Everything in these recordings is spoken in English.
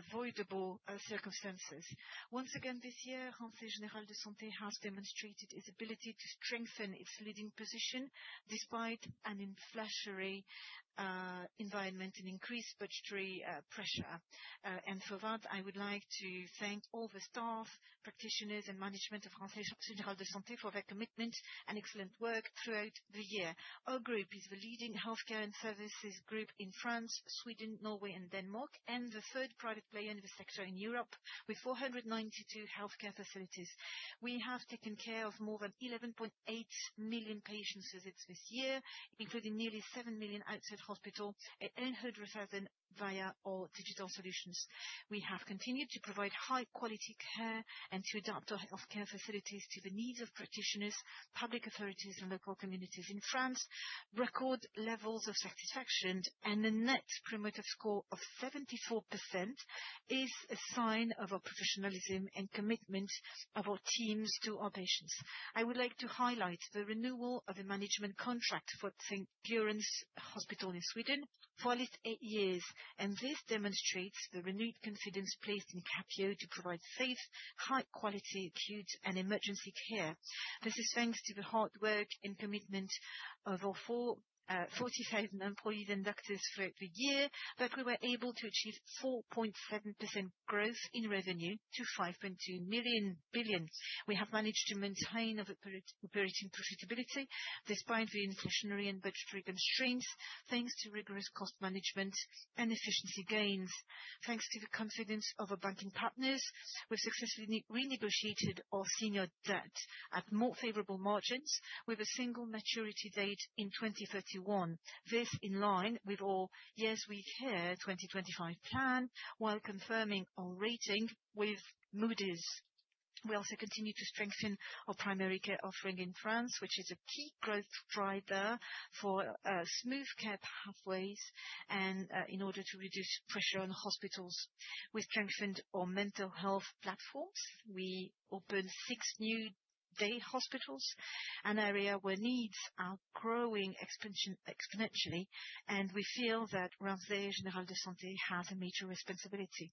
Unavoidable circumstances. Once again this year, Ramsay Générale de Santé has demonstrated its ability to strengthen its leading position despite an inflationary environment and increased budgetary pressure. For that, I would like to thank all the staff, practitioners, and management of Ramsay Générale de Santé for their commitment and excellent work throughout the year. Our group is the leading healthcare and services group in France, Sweden, Norway, and Denmark, and the third private player in the sector in Europe with 492 healthcare facilities. We have taken care of more than 11.8 million patients as of this year, including nearly seven million outside hospital and 800,000 via our digital solutions. We have continued to provide high-quality care and to adapt our healthcare facilities to the needs of practitioners, public authorities, and local communities in France. Record levels of satisfaction and a net promoter score of 74% is a sign of our professionalism and commitment of our teams to our patients. I would like to highlight the renewal of the management contract for Fyrishov Hospital in Sweden for at least eight years. This demonstrates the renewed confidence placed in Capio to provide safe, high-quality acute and emergency care. This is thanks to the hard work and commitment of our 40,000 employees and doctors throughout the year that we were able to achieve 4.7% growth in revenue to 519 million. We have managed to maintain operating profitability despite the inflationary and budgetary constraints, thanks to rigorous cost management and efficiency gains. Thanks to the confidence of our banking partners, we successfully renegotiated our senior debt at more favorable margins with a single maturity date in 2031. This is in line with our Yes We Care 2025 plan, while confirming our rating with Moody's. We also continue to strengthen our primary care offering in France, which is a key growth driver for smooth care pathways and in order to reduce pressure on hospitals. We strengthened our mental health platforms. We opened six new day hospitals, an area where needs are growing exponentially. We feel that Ramsay Générale de Santé has a major responsibility.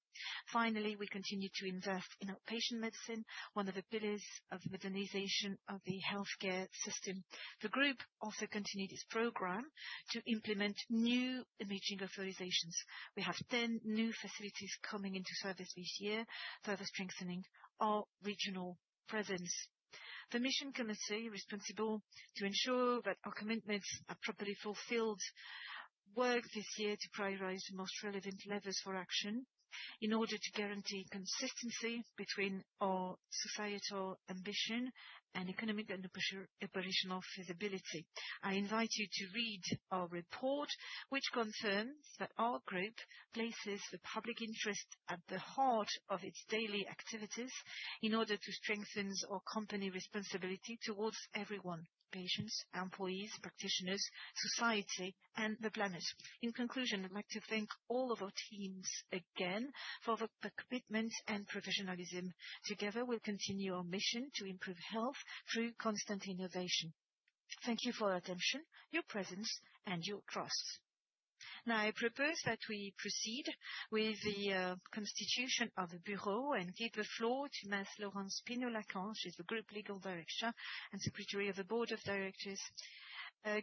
Finally, we continue to invest in outpatient medicine, one of the pillars of the modernization of the healthcare system. The group also continued its program to implement new imaging authorizations. We have 10 new facilities coming into service this year, further strengthening our regional presence. The mission committee responsible to ensure that our commitments are properly fulfilled worked this year to prioritize the most relevant levers for action in order to guarantee consistency between our societal ambition and economic and operational feasibility. I invite you to read our report, which confirms that our group places the public interest at the heart of its daily activities in order to strengthen our company responsibility towards everyone, patients, employees, practitioners, society, and the planet. In conclusion, I'd like to thank all of our teams again for their commitment and professionalism. Together, we'll continue our mission to improve health through constant innovation. Thank you for your attention, your presence, and your trust. Now, I propose that we proceed with the constitution of the bureau and give the floor to Ms. Laurence Pinault-Lacran. She's the group legal director and secretary of the board of directors.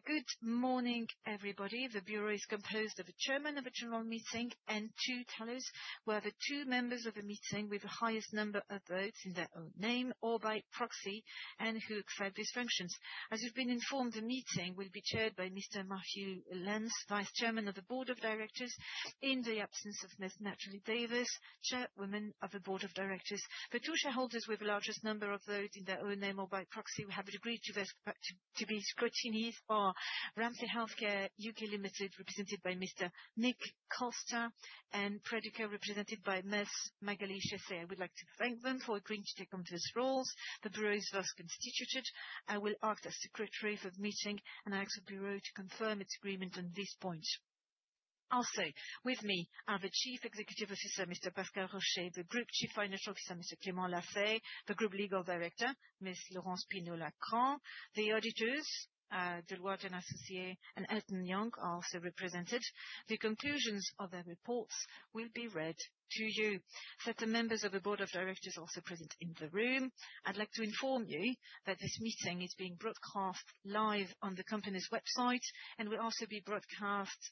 Good morning, everybody. The bureau is composed of a chairman of the general meeting and two tellers who are the two members of the meeting with the highest number of votes in their own name or by proxy, and who accept these functions. As you've been informed, the meeting will be chaired by Mr. Matthieu Lance, vice chairman of the board of directors, in the absence of Ms. Natalie Davis, chairwoman of the board of directors. The two shareholders with the largest number of votes in their own name or by proxy, who have agreed to be scrutinized are Ramsay Health Care (UK) Limited, represented by Mr. Nick Costa and Predica, represented by Ms. Magali Cheyssot. I would like to thank them for agreeing to take on these roles. The bureau is thus constituted. I will act as secretary for the meeting, and I ask the bureau to confirm its agreement on this point. With me are the chief executive officer, Mr. Pascal Roché, the group chief financial officer, Mr. Clément Laffaye, the group legal director, Ms. Laurence Pinault-Lacran. The auditors, Deloitte & Associés and EY, are also represented. The conclusions of their reports will be read to you. Certain members of the board of directors also present in the room. I'd like to inform you that this meeting is being broadcast live on the company's website and will also be broadcast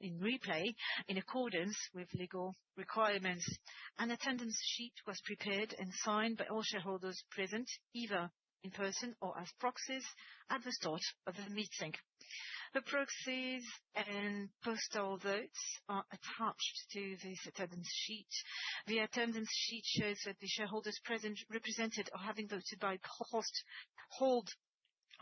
in replay in accordance with legal requirements. An attendance sheet was prepared and signed by all shareholders present, either in person or as proxies, at the start of the meeting. The proxies and postal votes are attached to this attendance sheet. The attendance sheet shows that the shareholders present, represented or having voted by post hold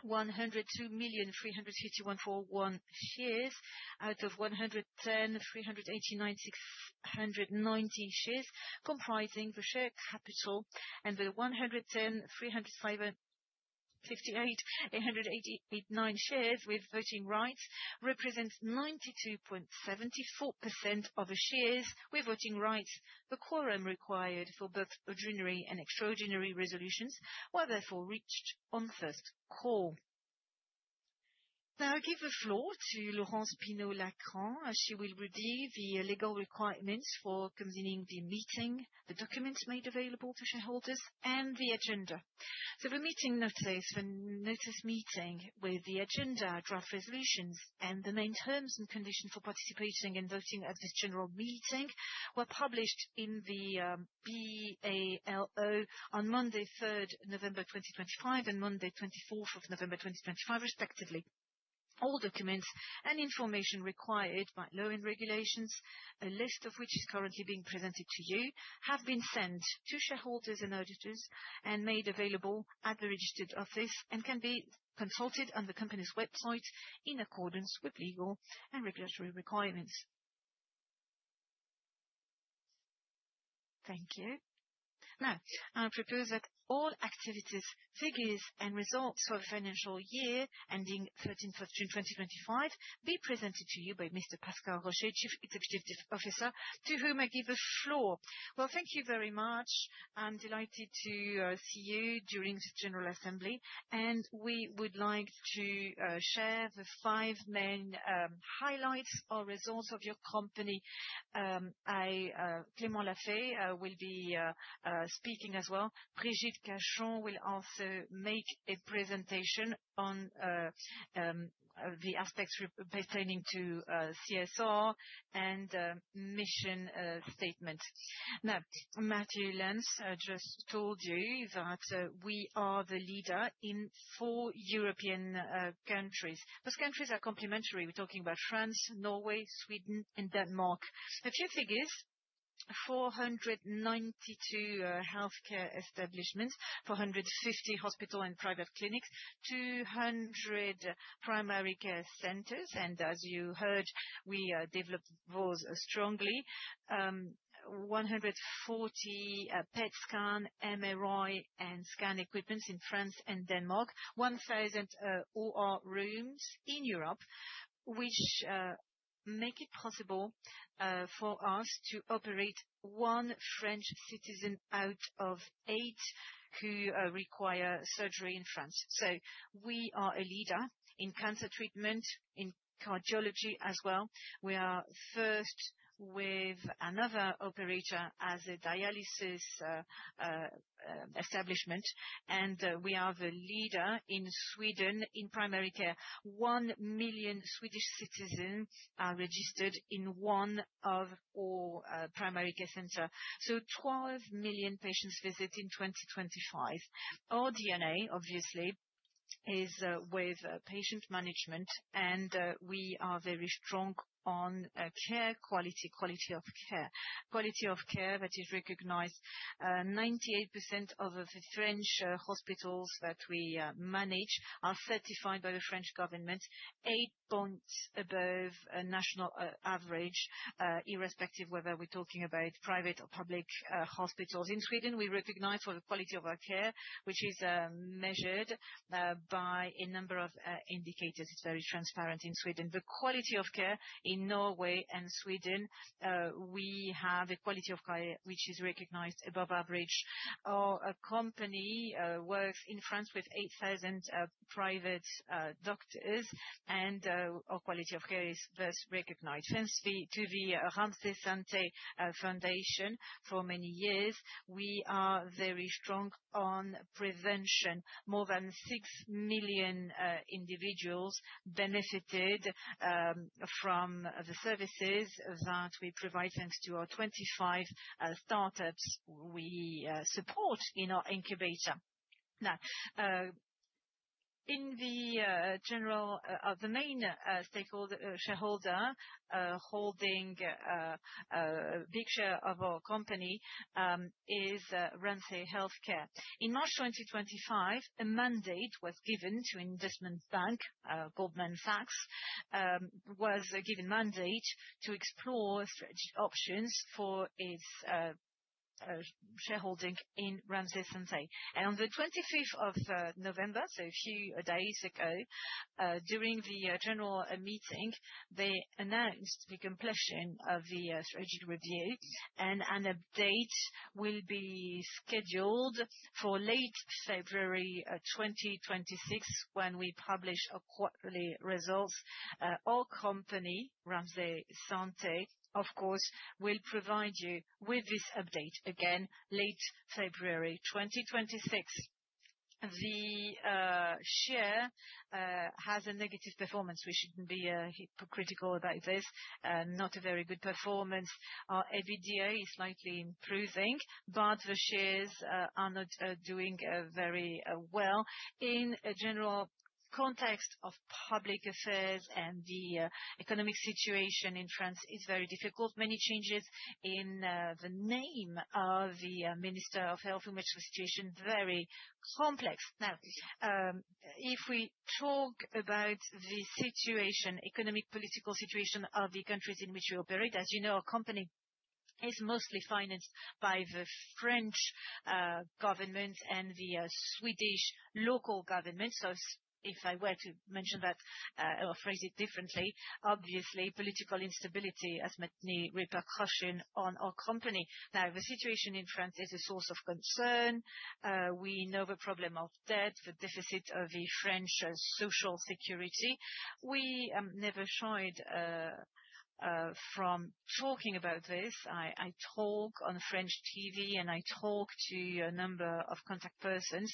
102,331,341 shares out of 110,389,690 shares comprising the share capital, and the 110,358,889 shares with voting rights represents 92.74% of the shares with voting rights. The quorum required for both ordinary and extraordinary resolutions were therefore reached on first call. I give the floor to Laurence Pinault-Lacran. She will read the legal requirements for convening the meeting, the documents made available to shareholders, and the agenda. The meeting notice, the notice meeting with the agenda, draft resolutions, and the main terms and conditions for participating and voting at this general meeting were published in the BALO on Monday, 3rd November 2025, and Monday, 24th of November 2025, respectively. All documents and information required by law and regulations, a list of which is currently being presented to you, have been sent to shareholders and auditors and made available at the registered office and can be consulted on the company's website in accordance with legal and regulatory requirements. Thank you. I propose that all activities, figures, and results for the financial year ending 13th of June 2025 be presented to you by Mr. Pascal Roché, chief executive officer, to whom I give the floor. Thank you very much. I'm delighted to see you during this general assembly. We would like to share the five main highlights or results of your company. Clément Laffaye will be speaking as well. Brigitte Cachon will also make a presentation on the aspects pertaining to CSR and mission statement. Matthieu Lance just told you that we are the leader in four European countries. Those countries are complementary. We're talking about France, Norway, Sweden, and Denmark. A few figures, 492 healthcare establishments, 450 hospital and private clinics, 200 primary care centers, and as you heard, we developed those strongly. 140 PET scan, MRI, and scan equipments in France and Denmark. 1,000 OR rooms in Europe, which make it possible for us to operate one French citizen out of eight who require surgery in France. We are a leader in cancer treatment, in cardiology as well. We are first with another operator as a dialysis establishment, and we are the leader in Sweden in primary care. 1 million Swedish citizens are registered in one of our primary care centers. 12 million patients visited in 2025. Our DNA, obviously, is with patient management. We are very strong on care quality of care. Quality of care that is recognized. 98% of the French hospitals that we manage are certified by the French government, eight points above national average, irrespective whether we're talking about private or public hospitals. In Sweden, we're recognized for the quality of our care, which is measured by a number of indicators. It's very transparent in Sweden. The quality of care in Norway and Sweden, we have a quality of care which is recognized above average. Our company works in France with 8,000 private doctors. Our quality of care is best recognized. Thanks to the Ramsay Santé Foundation for many years, we are very strong on prevention. More than 6 million individuals benefited from the services that we provide thanks to our 25 startups we support in our incubator. The main shareholder, holding a big share of our company, is Ramsay Health Care. In March 2025, a mandate was given to investment bank, Goldman Sachs, was given mandate to explore strategy options for its shareholding in Ramsay Santé. On the 25th of November, a few days ago, during the general meeting, they announced the completion of the strategy review. An update will be scheduled for late February 2026, when we publish our quarterly results. Our company, Ramsay Santé, of course, will provide you with this update again late February 2026. The share has a negative performance. We shouldn't be hypocritical about this. Not a very good performance. Our EBITDA is slightly improving. The shares are not doing very well. In a general context of public affairs and the economic situation in France, it's very difficult. Many changes in the name of the Minister of Health, in which the situation is very complex. If we talk about the situation, economic, political situation of the countries in which we operate, as you know, our company. It's mostly financed by the French government and the Swedish local government. If I were to mention that or phrase it differently, obviously political instability has many repercussions on our company. The situation in France is a source of concern. We know the problem of debt, the deficit of the French social security. We never shied from talking about this. I talk on French TV, I talk to a number of contact persons.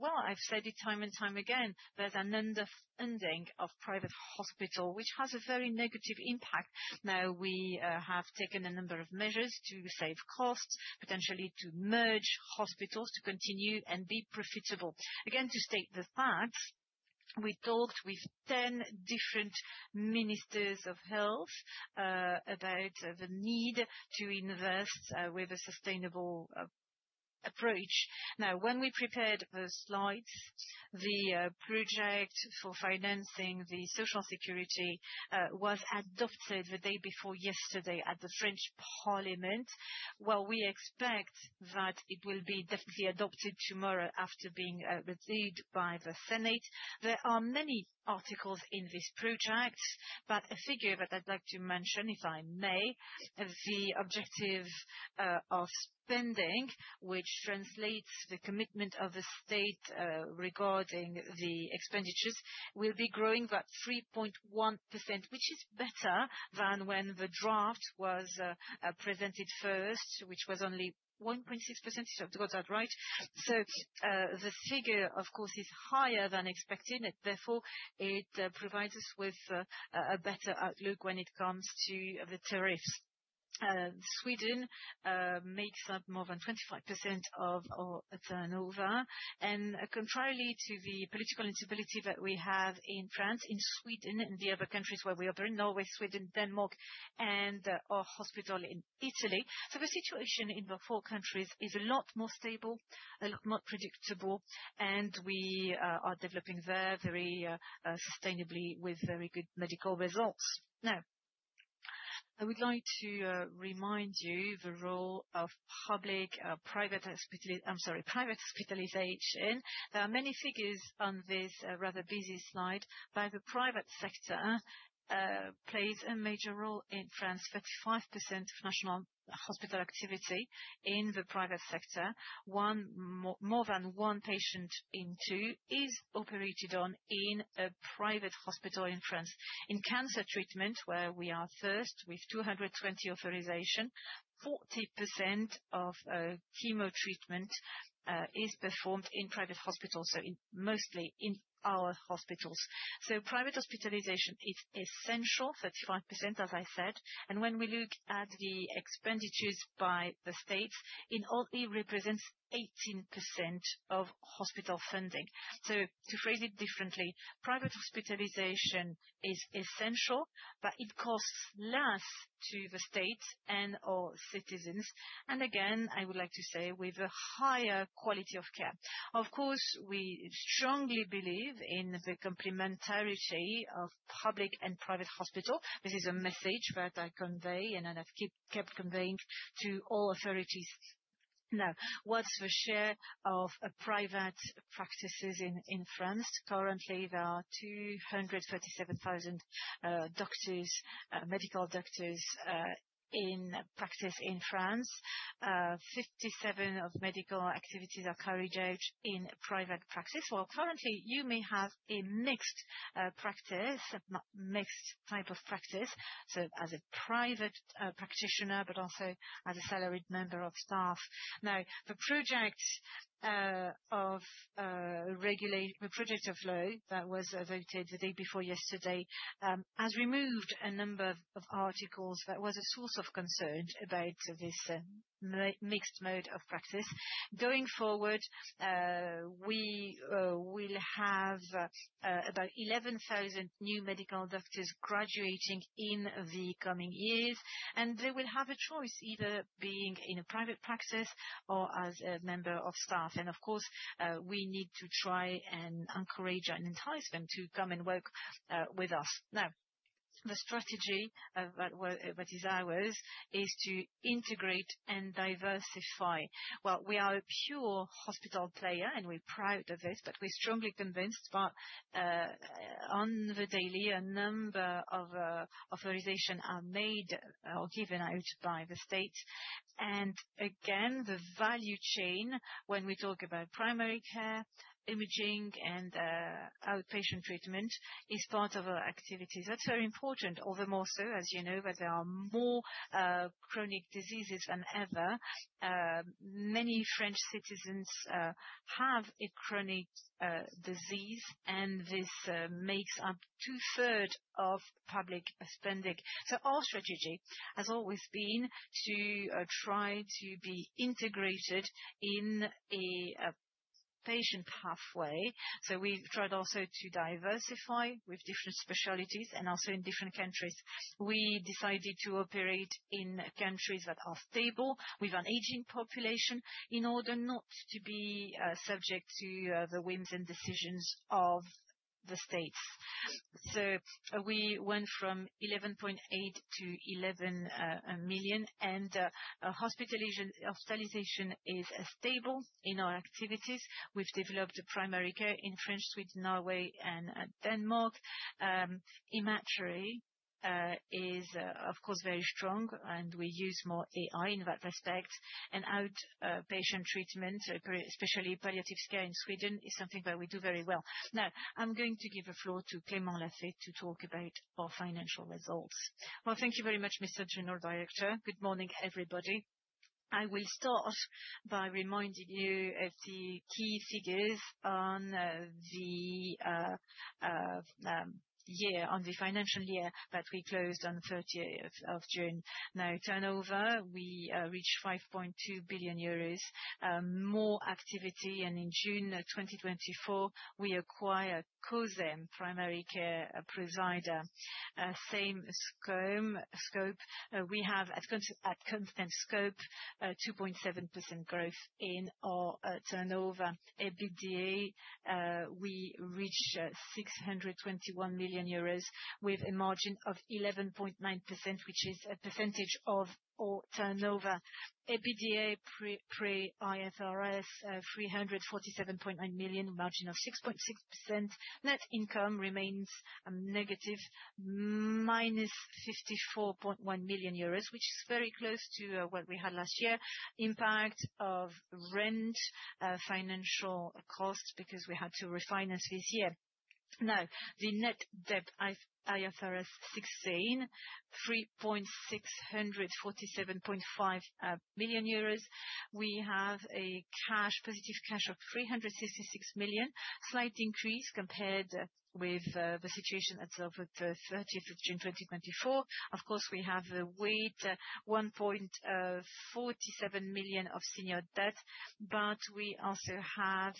Well, I've said it time and time again, there's an underfunding of private hospital, which has a very negative impact. We have taken a number of measures to save costs, potentially to merge hospitals to continue and be profitable. Again, to state the facts, we talked with 10 different ministers of health, about the need to invest with a sustainable approach. When we prepared the slides, the project for financing the Social Security was adopted the day before yesterday at the French Parliament. We expect that it will be definitely adopted tomorrow after being reviewed by the Senate. There are many articles in this project, but a figure that I would like to mention, if I may, the objective of spending, which translates the commitment of the state regarding the expenditures, will be growing about 3.1%, which is better than when the draft was presented first, which was only 1.6%, if I got that right. The figure, of course, is higher than expected, therefore it provides us with a better outlook when it comes to the tariffs. Sweden makes up more than 25% of our turnover, contrary to the political instability that we have in France, in Sweden and the other countries where we operate, Norway, Sweden, Denmark, and our hospital in Italy. The situation in the four countries is a lot more stable, a lot more predictable, and we are developing there very sustainably with very good medical results. I would like to remind you the role of private hospitalization. There are many figures on this rather busy slide, but the private sector plays a major role in France, 35% of national hospital activity in the private sector. More than one patient in two is operated on in a private hospital in France. In cancer treatment, where we are first with 220 authorizations, 40% of chemo treatment is performed in private hospitals, mostly in our hospitals. Private hospitalization is essential, 35%, as I said. When we look at the expenditures by the states, it only represents 18% of hospital funding. To phrase it differently, private hospitalization is essential, but it costs less to the state and all citizens. Again, I would like to say with a higher quality of care. Of course, we strongly believe in the complementarity of public and private hospital. This is a message that I convey and that I have kept conveying to all authorities. What's the share of private practices in France? Currently, there are 237,000 medical doctors in practice in France. 57 of medical activities are carried out in private practice. Currently, you may have a mixed type of practice, so as a private practitioner, but also as a salaried member of staff. The project of law that was voted the day before yesterday has removed a number of articles that was a source of concern about this mixed mode of practice. Going forward, we will have about 11,000 new medical doctors graduating in the coming years, and they will have a choice either being in a private practice or as a member of staff. Of course, we need to try and encourage and entice them to come and work with us. The strategy that is ours is to integrate and diversify. We are a pure hospital player, and we are proud of this, but we are strongly convinced that on the daily, a number of authorizations are made or given out by the state. Again, the value chain, when we talk about primary care, imaging, and outpatient treatment, is part of our activities. That's very important, all the more so as you know that there are more chronic diseases than ever. Many French citizens have a chronic disease, and this makes up two-thirds of public spending. Our strategy has always been to try to be integrated in a patient pathway. We've tried also to diversify with different specialties and also in different countries. We decided to operate in countries that are stable with an aging population in order not to be subject to the whims and decisions of the states. We went from 11.8 to 11 million, and hospitalization is stable in our activities. We've developed primary care in France, Sweden, Norway, and Denmark. Imaging is of course very strong. We use more AI in that respect. Outpatient treatment, especially palliative care in Sweden, is something that we do very well. I'm going to give the floor to Clément Laffaye to talk about our financial results. Thank you very much, Mr. General Director. Good morning, everybody. I will start by reminding you of the key figures on the financial year that we closed on the 30th of June. Turnover, we reached 5.2 billion euros. More activity, and in June 2024, we acquired COSEM, primary care provider. Same scope. We have, at constant scope, a 2.7% growth in our turnover. EBITDA, we reached 621 million euros with a margin of 11.9%, which is a percentage of our turnover. EBITDA, pre-IFRS, 347.9 million, a margin of 6.6%. Net income remains negative, minus 54.1 million euros, which is very close to what we had last year. Impact of rent, financial costs, because we had to refinance this year. The net debt, IFRS 16, 3,647.5 million euros. We have a positive cash of 366 million. Slight increase compared with the situation as of the 30th of June 2024. We have the weight, 1.47 million of senior debt, but we also have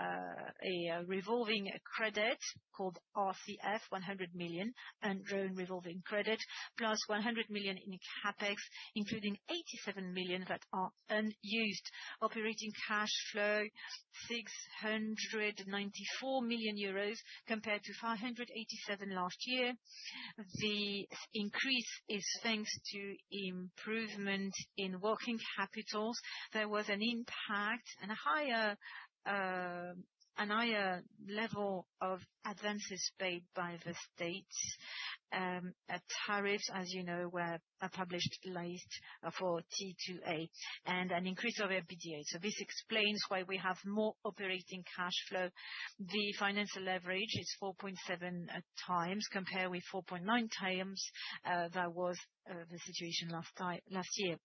a revolving credit called RCF, 100 million, and loan revolving credit, plus 100 million in CapEx, including 87 million that are unused. Operating cash flow, 694 million euros compared to 587 last year. The increase is thanks to improvement in working capitals. There was an impact and a higher level of advances paid by the state. Tariffs, as you know, were published late for T2A, and an increase of EBITDA. This explains why we have more operating cash flow. The financial leverage is 4.7 times compared with 4.9 times. That was the situation last year.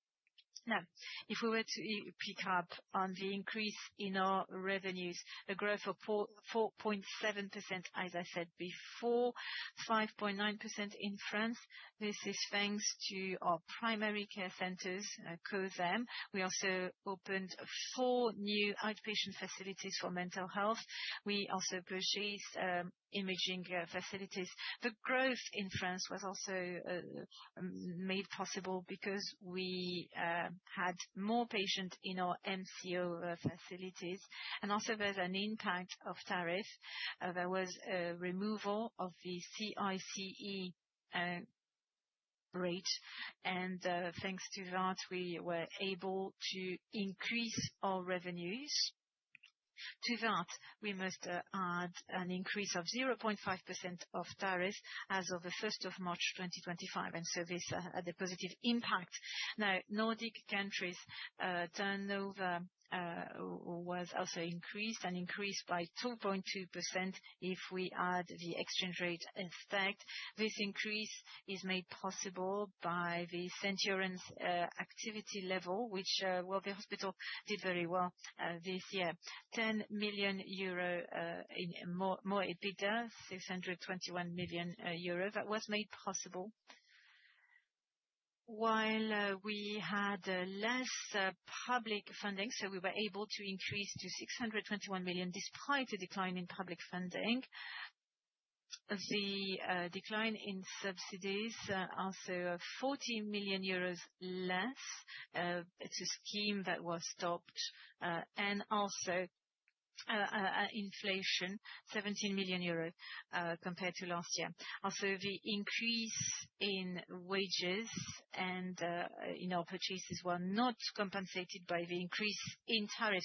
If we were to pick up on the increase in our revenues, a growth of 4.7%, as I said before, 5.9% in France. This is thanks to our primary care centers, COSEM. We also opened four new outpatient facilities for mental health. We also purchased imaging facilities. The growth in France was also made possible because we had more patients in our MCO facilities, and also there's an impact of tariff. There was a removal of the CICE rate, and thanks to that, we were able to increase our revenues. To that, we must add an increase of 0.5% of tariff as of the 1st of March 2025. This had a positive impact. Nordic countries' turnover was also increased. It increased by 2.2% if we add the exchange rate effect. This increase is made possible by the Centaurins activity level, which the hospital did very well this year. 10 million euro in more EBITDA, 621 million euro. That was made possible while we had less public funding. We were able to increase to 621 million despite a decline in public funding. The decline in subsidies, also 40 million euros less. It is a scheme that was stopped. Also, inflation, 17 million euros compared to last year. Also, the increase in wages and in our purchases were not compensated by the increase in tariff.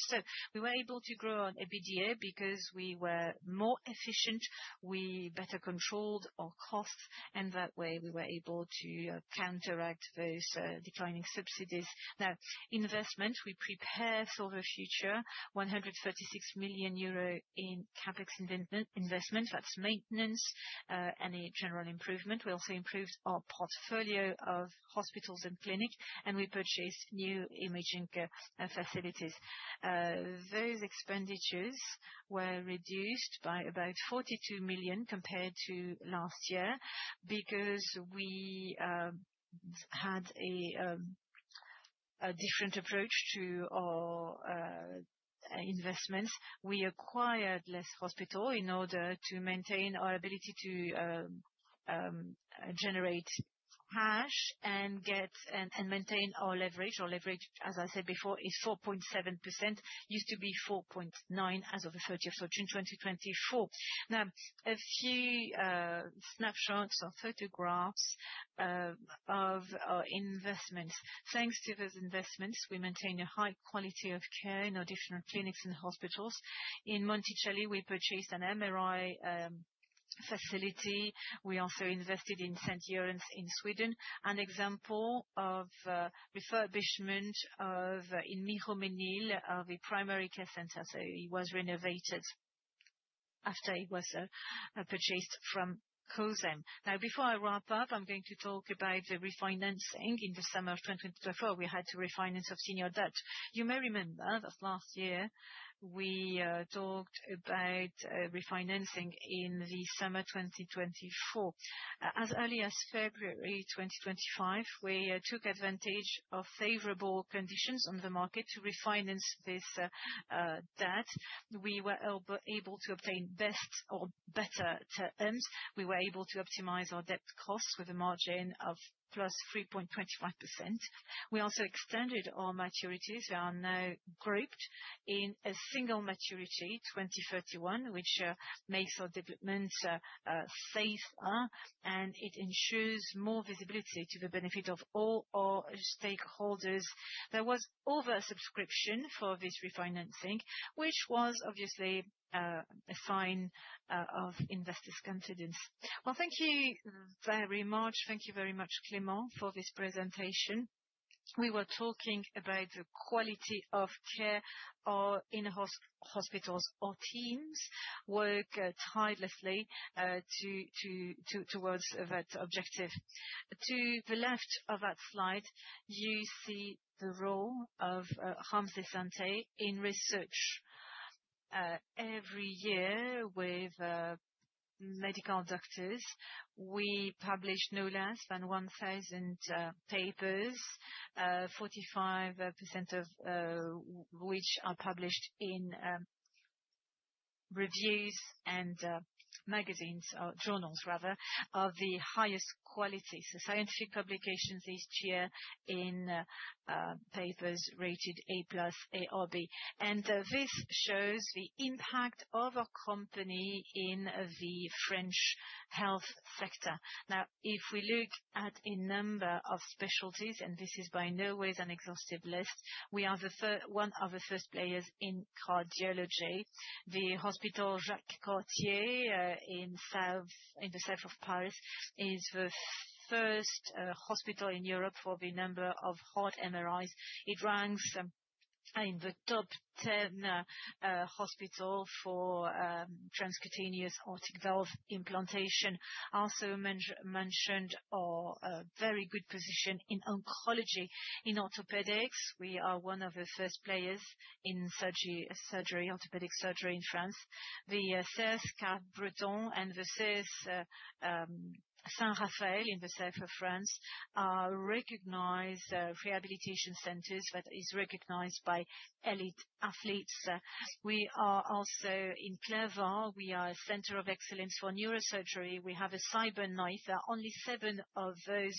We were able to grow our EBITDA because we were more efficient. We better controlled our costs, and that way we were able to counteract those declining subsidies. Investment. We prepare for the future. 136 million euro in CapEx investment. That is maintenance, any general improvement. We also improved our portfolio of hospitals and clinics. We purchased new imaging facilities. Those expenditures were reduced by about 42 million compared to last year because we had a different approach to our investments. We acquired less hospital in order to maintain our ability to generate cash and maintain our leverage. Our leverage, as I said before, is 4.7%, used to be 4.9% as of the 30th of June 2024. A few snapshots or photographs of our investments. Thanks to those investments, we maintain a high quality of care in our different clinics and hospitals. In Monticelli, we purchased an MRI facility. We also invested in Saint-Orens in Sweden, an example of refurbishment in Mirecourt of a primary care center. It was renovated after it was purchased from COSEM. Before I wrap up, I am going to talk about the refinancing. In the summer of 2024, we had to refinance our senior debt. You may remember that last year we talked about refinancing in the summer 2024. As early as February 2025, we took advantage of favorable conditions on the market to refinance this debt. We were able to obtain best or better terms. We were able to optimize our debt costs with a margin of +3.25%. We also extended our maturities, which are now grouped in a single maturity, 2031, which makes our debt safer, and it ensures more visibility to the benefit of all our stakeholders. There was over-subscription for this refinancing, which was obviously a sign of investors' confidence. Thank you very much. Thank you very much, Clément, for this presentation. We were talking about the quality of care in our hospitals. Our teams work tirelessly towards that objective. To the left of that slide, you see the role of Ramsay Santé in research. Every year with medical doctors, we publish no less than 1,000 papers, 45% of which are published in reviews and magazines, or journals rather, of the highest quality. Scientific publications each year in papers rated A+, A, or B. This shows the impact of our company in the French health sector. If we look at a number of specialties, this is by no way an exhaustive list, we are one of the first players in cardiology. The Hôpital Privé Jacques Cartier in the south of Paris is the first hospital in Europe for the number of heart MRIs. It ranks in the top 10 hospitals for transcutaneous aortic valve implantation. Also mentioned our very good position in oncology. In orthopedics, we are one of the first players in orthopedic surgery in France. The CERS Capbreton and the CERS Saint-Raphaël in the South of France are recognized rehabilitation centers that is recognized by elite athletes. We are also in Clermont. We are a center of excellence for neurosurgery. We have a CyberKnife. There are only seven of those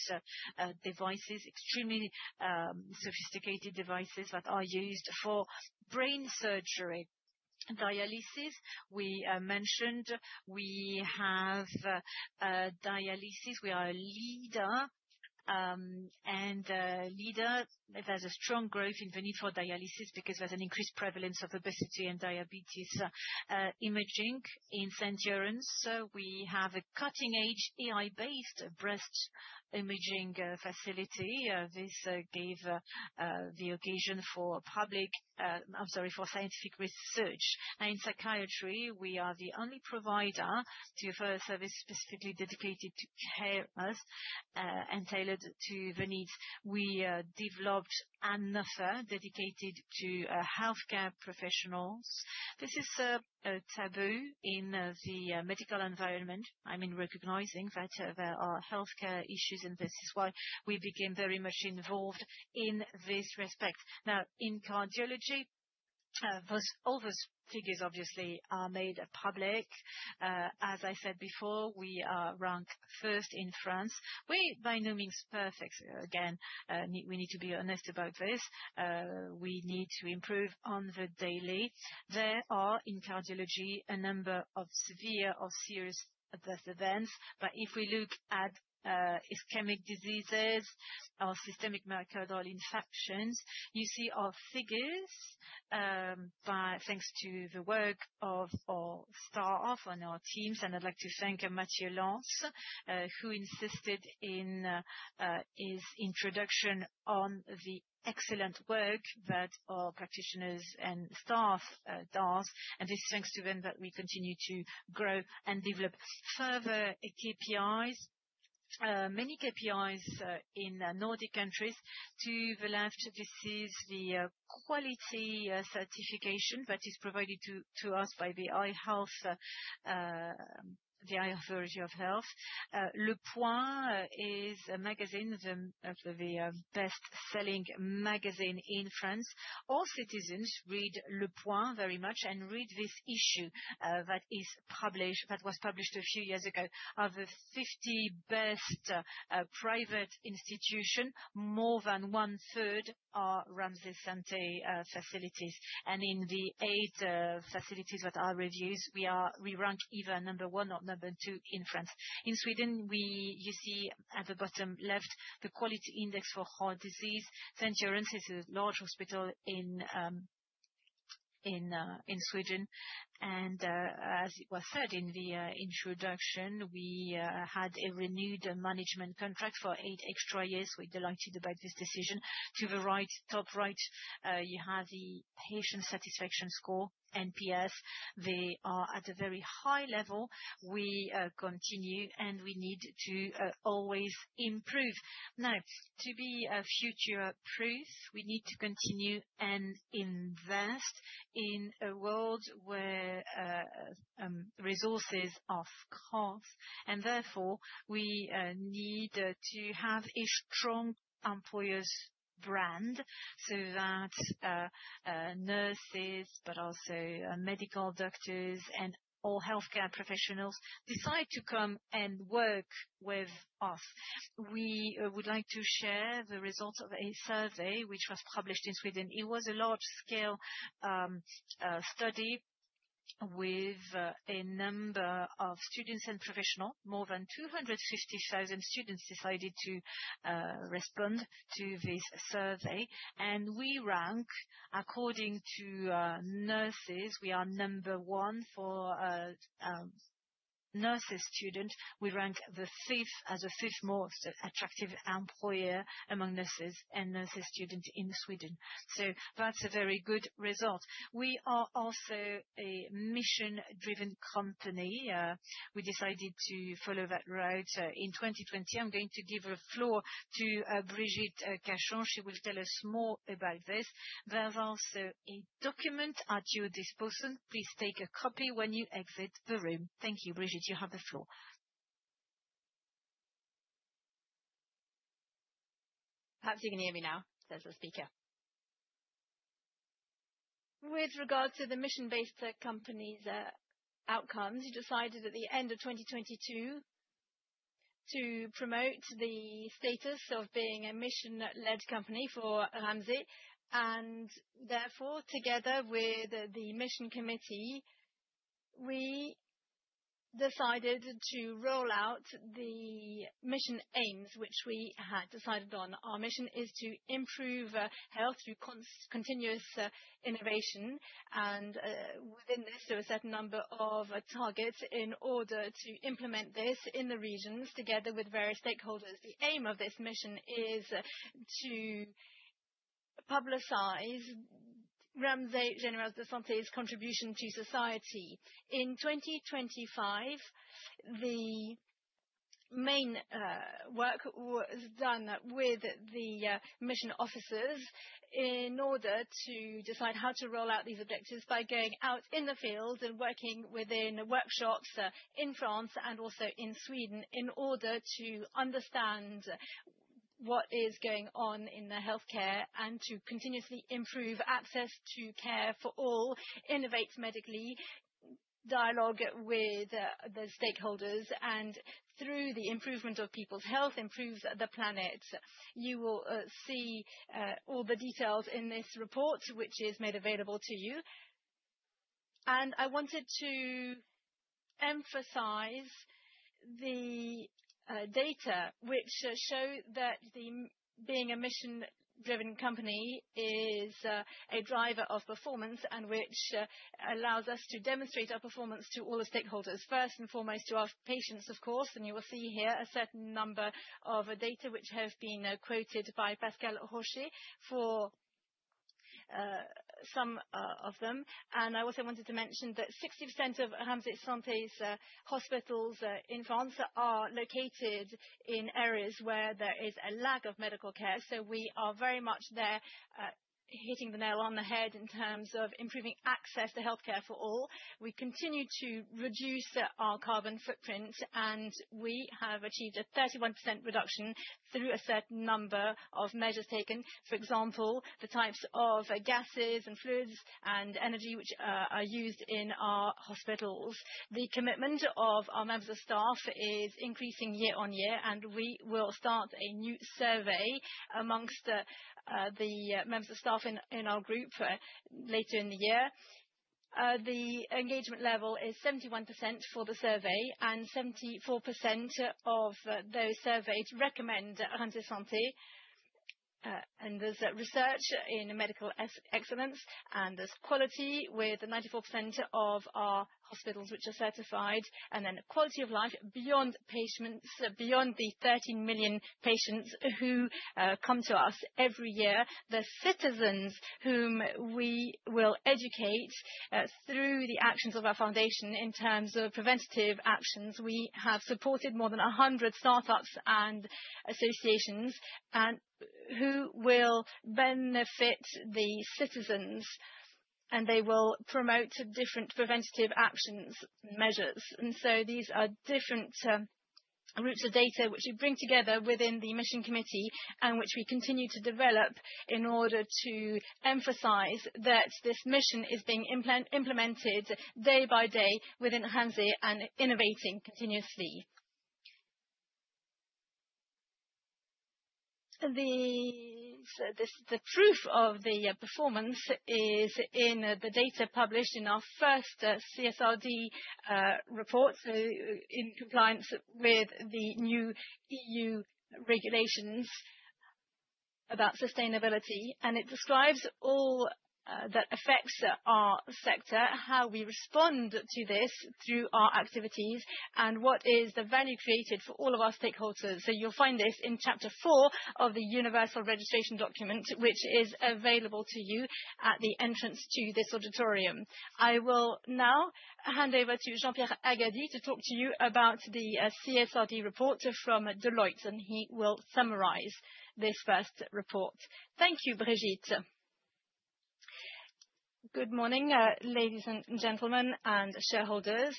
devices, extremely sophisticated devices that are used for brain surgery. Dialysis. We mentioned we have dialysis. We are a leader. There's a strong growth in the need for dialysis because there's an increased prevalence of obesity and diabetes. Imaging in Saint-Orens. So we have a cutting-edge AI-based breast imaging facility. This gave the occasion for public, I'm sorry, for scientific research. In psychiatry, we are the only provider to offer a service specifically dedicated to carers, and tailored to the needs. We developed another dedicated to healthcare professionals. This is a taboo in the medical environment. I mean, recognizing that there are healthcare issues, and this is why we became very much involved in this respect. Now, in cardiology, all those figures obviously are made public. As I said before, we are ranked first in France. We're by no means perfect. Again, we need to be honest about this. We need to improve on the daily. There are, in cardiology, a number of severe or serious adverse events. If we look at ischemic diseases or systemic microbial infections, you see our figures, thanks to the work of our staff and our teams, and I'd like to thank Matthieu Lance, who insisted in his introduction on the excellent work that our practitioners and staff does, and it's thanks to them that we continue to grow and develop further KPIs. Many KPIs in Nordic countries. To the left, this is the quality certification that is provided to us by the Authority of Health. Le Point is a magazine, the best-selling magazine in France. All citizens read Le Point very much and read this issue that was published a few years ago of the 50 best private institution, more than one-third are Ramsay Santé facilities. In the 8 facilities that are reviewed, we rank either number 1 or number 2 in France. In Sweden, you see at the bottom left, the quality index for heart disease. Södersjukhuset is a large hospital in Sweden and as it was said in the introduction, we had a renewed management contract for 8 extra years. We're delighted about this decision. To the top right, you have the patient satisfaction score, NPS. They are at a very high level. We continue, and we need to always improve. Now, to be future-proof, we need to continue and invest in a world where resources are scarce, and therefore we need to have a strong employer's brand so that nurses, but also medical doctors and all healthcare professionals decide to come and work with us. We would like to share the results of a survey which was published in Sweden. It was a large-scale study with a number of students and professionals. More than 250,000 students decided to respond to this survey. And we rank according to nurses, we are number 1 for nursing students. We rank as the fifth most attractive employer among nurses and nursing students in Sweden. So that's a very good result. We are also a mission-driven company. We decided to follow that route in 2020. I'm going to give the floor to Brigitte Cachon. She will tell us more about this. There's also a document at your disposal. Please take a copy when you exit the room. Thank you. Brigitte, you have the floor. Perhaps you can hear me now, says the speaker. With regard to the mission-based company's outcomes, we decided at the end of 2022 to promote the status of being a mission-led company for Ramsay, and therefore, together with the mission committee, we decided to roll out the mission aims, which we had decided on. Our mission is to improve health through continuous innovation, and within this, there are a certain number of targets in order to implement this in the regions together with various stakeholders. The aim of this mission is to publicize Ramsay Générale de Santé's contribution to society. In 2025, the main work was done with the mission officers in order to decide how to roll out these objectives by going out in the field and working within workshops in France and also in Sweden in order to understand what is going on in the healthcare and to continuously improve access to care for all, innovate medically, dialogue with the stakeholders, and through the improvement of people's health, improve the planet. You will see all the details in this report, which is made available to you. I wanted to emphasize the data which show that being a mission-driven company is a driver of performance, and which allows us to demonstrate our performance to all the stakeholders. First and foremost, to our patients, of course. You will see here a certain number of data which have been quoted by Pascal Roché for some of them. I also wanted to mention that 60% of Ramsay Santé's hospitals in France are located in areas where there is a lack of medical care. We are very much there, hitting the nail on the head in terms of improving access to healthcare for all. We continue to reduce our carbon footprint, and we have achieved a 31% reduction through a certain number of measures taken. For example, the types of gases and fluids and energy which are used in our hospitals. The commitment of our members of staff is increasing year on year, and we will start a new survey amongst the members of staff in our group later in the year. The engagement level is 71% for the survey, and 74% of those surveyed recommend Ramsay Santé. There's research in medical excellence, there's quality with 94% of our hospitals which are certified, then quality of life beyond the 13 million patients who come to us every year. The citizens whom we will educate through the actions of our foundation in terms of preventative actions. We have supported more than 100 startups and associations, who will benefit the citizens. They will promote different preventative actions measures. These are different routes of data which we bring together within the mission committee and which we continue to develop in order to emphasize that this mission is being implemented day by day within Ramsay and innovating continuously. The truth of the performance is in the data published in our first CSRD report in compliance with the new EU regulations about sustainability. It describes all that affects our sector, how we respond to this through our activities, and what is the value created for all of our stakeholders. You'll find this in chapter four of the universal registration document, which is available to you at the entrance to this auditorium. I will now hand over to Jean-Pierre Agadi to talk to you about the CSRD report from Deloitte. He will summarize this first report. Thank you, Brigitte. Good morning, ladies and gentlemen, and shareholders.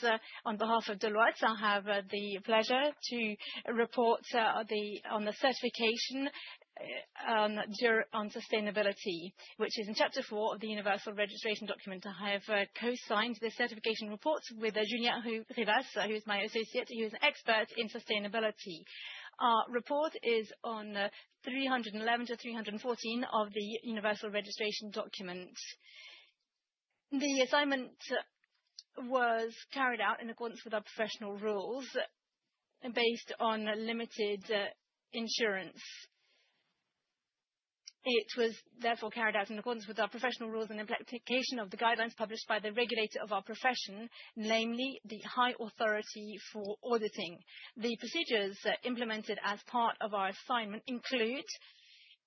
On behalf of Deloitte, I have the pleasure to report on the certification on sustainability, which is in chapter four of the universal registration document. I have co-signed the certification report with Julien Rivals, who's my associate, who's expert in sustainability. Our report is on 311 to 314 of the universal registration document. The assignment was carried out in accordance with our professional rules based on limited assurance. It was therefore carried out in accordance with our professional rules and application of the guidelines published by the regulator of our profession, namely the High Authority for Auditing. The procedures implemented as part of our assignment include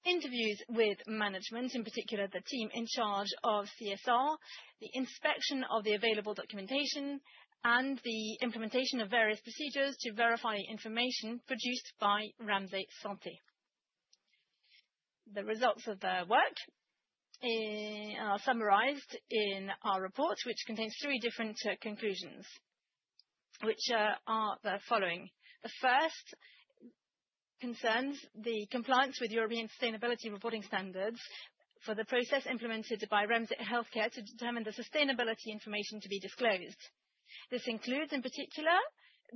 interviews with management, in particular the team in charge of CSR, the inspection of the available documentation, and the implementation of various procedures to verify information produced by Ramsay Santé. The results of the work are summarized in our report, which contains three different conclusions, which are the following. The first concerns the compliance with European Sustainability Reporting Standards for the process implemented by Ramsay Health Care to determine the sustainability information to be disclosed. This includes, in particular,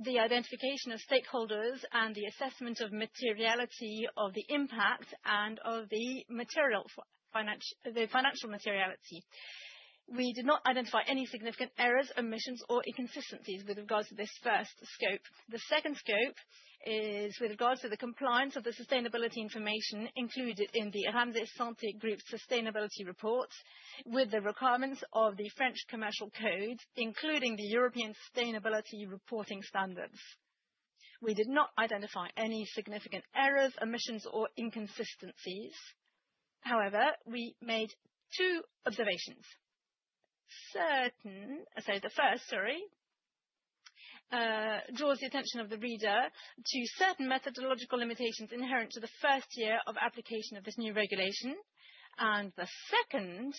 the identification of stakeholders and the assessment of materiality of the impact and of the financial materiality. We did not identify any significant errors, omissions, or inconsistencies with regards to this first scope. The second scope is with regards to the compliance of the sustainability information included in the Ramsay Santé Group sustainability report with the requirements of the French Commercial Code, including the European Sustainability Reporting Standards. We did not identify any significant errors, omissions, or inconsistencies. However, we made two observations. The first, draws the attention of the reader to certain methodological limitations inherent to the first year of application of this new regulation. The second,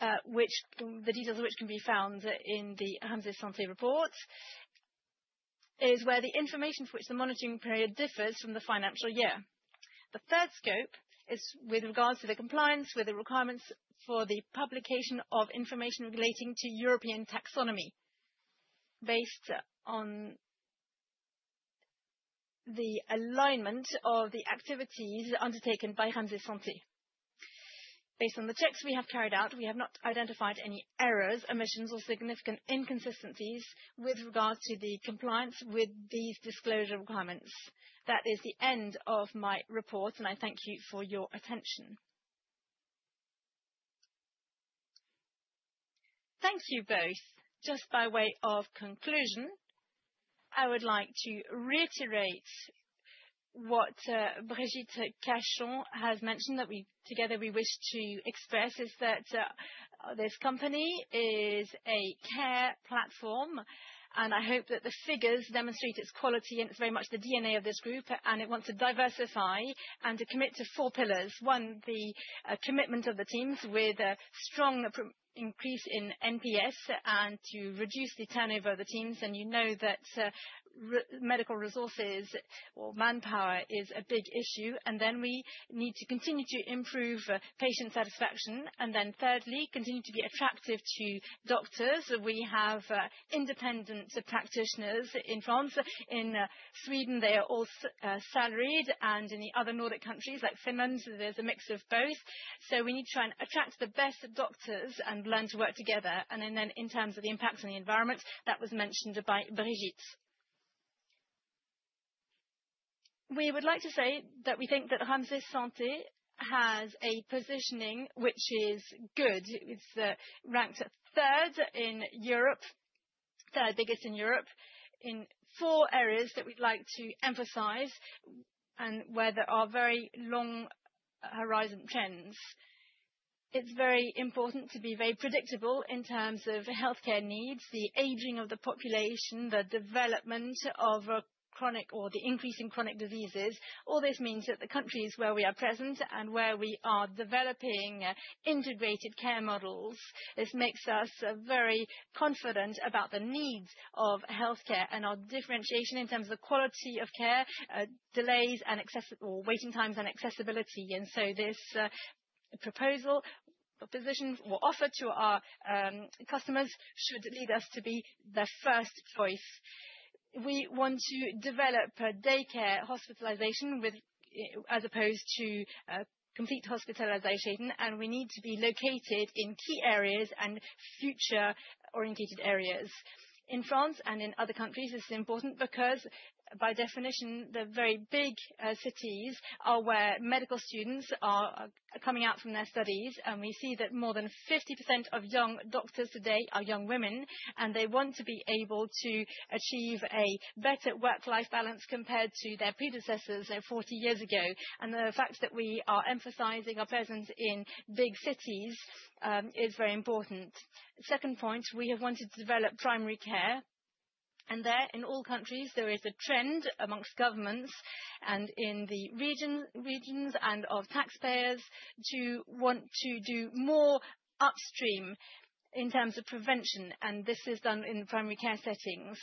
the details of which can be found in the Ramsay Santé report, is where the information for which the monitoring period differs from the financial year. The third scope is with regards to the compliance with the requirements for the publication of information relating to European Taxonomy based on the alignment of the activities undertaken by Ramsay Santé. Based on the checks we have carried out, we have not identified any errors, omissions, or significant inconsistencies with regards to the compliance with these disclosure requirements. That is the end of my report. I thank you for your attention. Thank you both. Just by way of conclusion, I would like to reiterate what Brigitte Cachon has mentioned that together we wish to express, is that this company is a care platform. I hope that the figures demonstrate its quality and it's very much the DNA of this group. It wants to diversify and to commit to four pillars. One, the commitment of the teams with a strong increase in NPS and to reduce the turnover of the teams. You know that medical resources or manpower is a big issue. Then we need to continue to improve patient satisfaction. Thirdly, continue to be attractive to doctors. We have independent practitioners in France. In Sweden, they are all salaried. In the other Nordic countries like Finland, there's a mix of both. We need to try and attract the best doctors and learn to work together. In terms of the impact on the environment, that was mentioned by Brigitte. We would like to say that we think that Ramsay Santé has a positioning which is good. It's ranked third in Europe, third biggest in Europe, in four areas that we'd like to emphasize and where there are very long-horizon trends. It's very important to be very predictable in terms of healthcare needs, the aging of the population, the development of chronic or the increase in chronic diseases. All this means that the countries where we are present and where we are developing integrated care models, this makes us very confident about the needs of healthcare and our differentiation in terms of quality of care, delays or waiting times, and accessibility. The position we offer to our customers should lead us to be their first choice. We want to develop daycare hospitalization as opposed to complete hospitalization. We need to be located in key areas and future-orientated areas. In France and in other countries, this is important because, by definition, the very big cities are where medical students are coming out from their studies. We see that more than 50% of young doctors today are young women. They want to be able to achieve a better work-life balance compared to their predecessors, say, 40 years ago. The fact that we are emphasizing our presence in big cities is very important. Second point, we have wanted to develop primary care. There, in all countries, there is a trend amongst governments and in the regions, and of taxpayers to want to do more upstream in terms of prevention. This is done in primary care settings.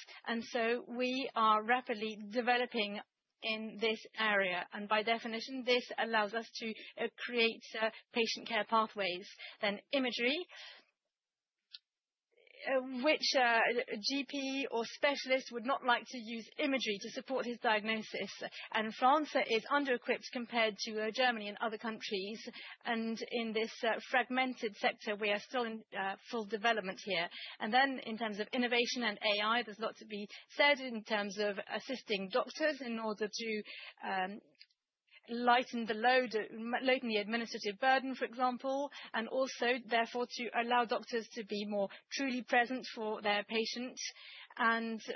We are rapidly developing in this area. By definition, this allows us to create patient care pathways. Imagery, which GP or specialist would not like to use imagery to support his diagnosis? France is under-equipped compared to Germany and other countries. In this fragmented sector, we are still in full development here. In terms of innovation and AI, there's a lot to be said in terms of assisting doctors in order to lighten the administrative burden, for example, and also, therefore, to allow doctors to be more truly present for their patients.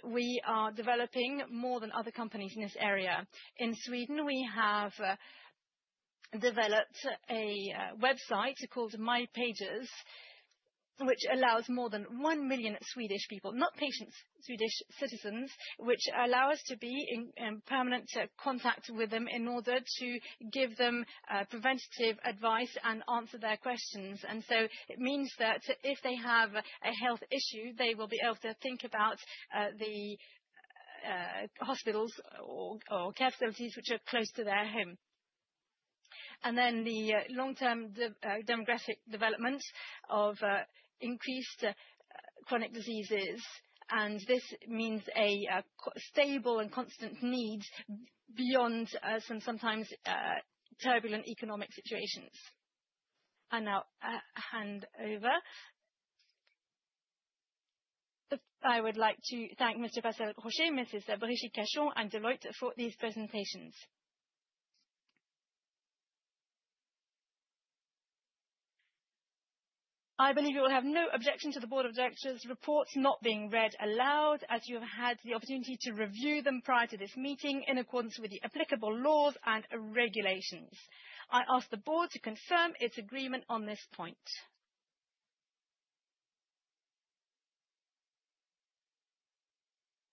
We are developing more than other companies in this area. In Sweden, we have developed a website called Mina Sidor, which allows more than 1 million Swedish people, not patients, Swedish citizens, which allow us to be in permanent contact with them in order to give them preventative advice and answer their questions. It means that if they have a health issue, they will be able to think about the hospitals or care facilities which are close to their home. The long-term demographic development of increased chronic diseases. This means a stable and constant need beyond some sometimes turbulent economic situations. I now hand over. I would like to thank Mr. Pascal Roché, Mrs. Brigitte Cachon, and Deloitte for these presentations. I believe you will have no objection to the board of directors' reports not being read aloud, as you have had the opportunity to review them prior to this meeting, in accordance with the applicable laws and regulations. I ask the board to confirm its agreement on this point.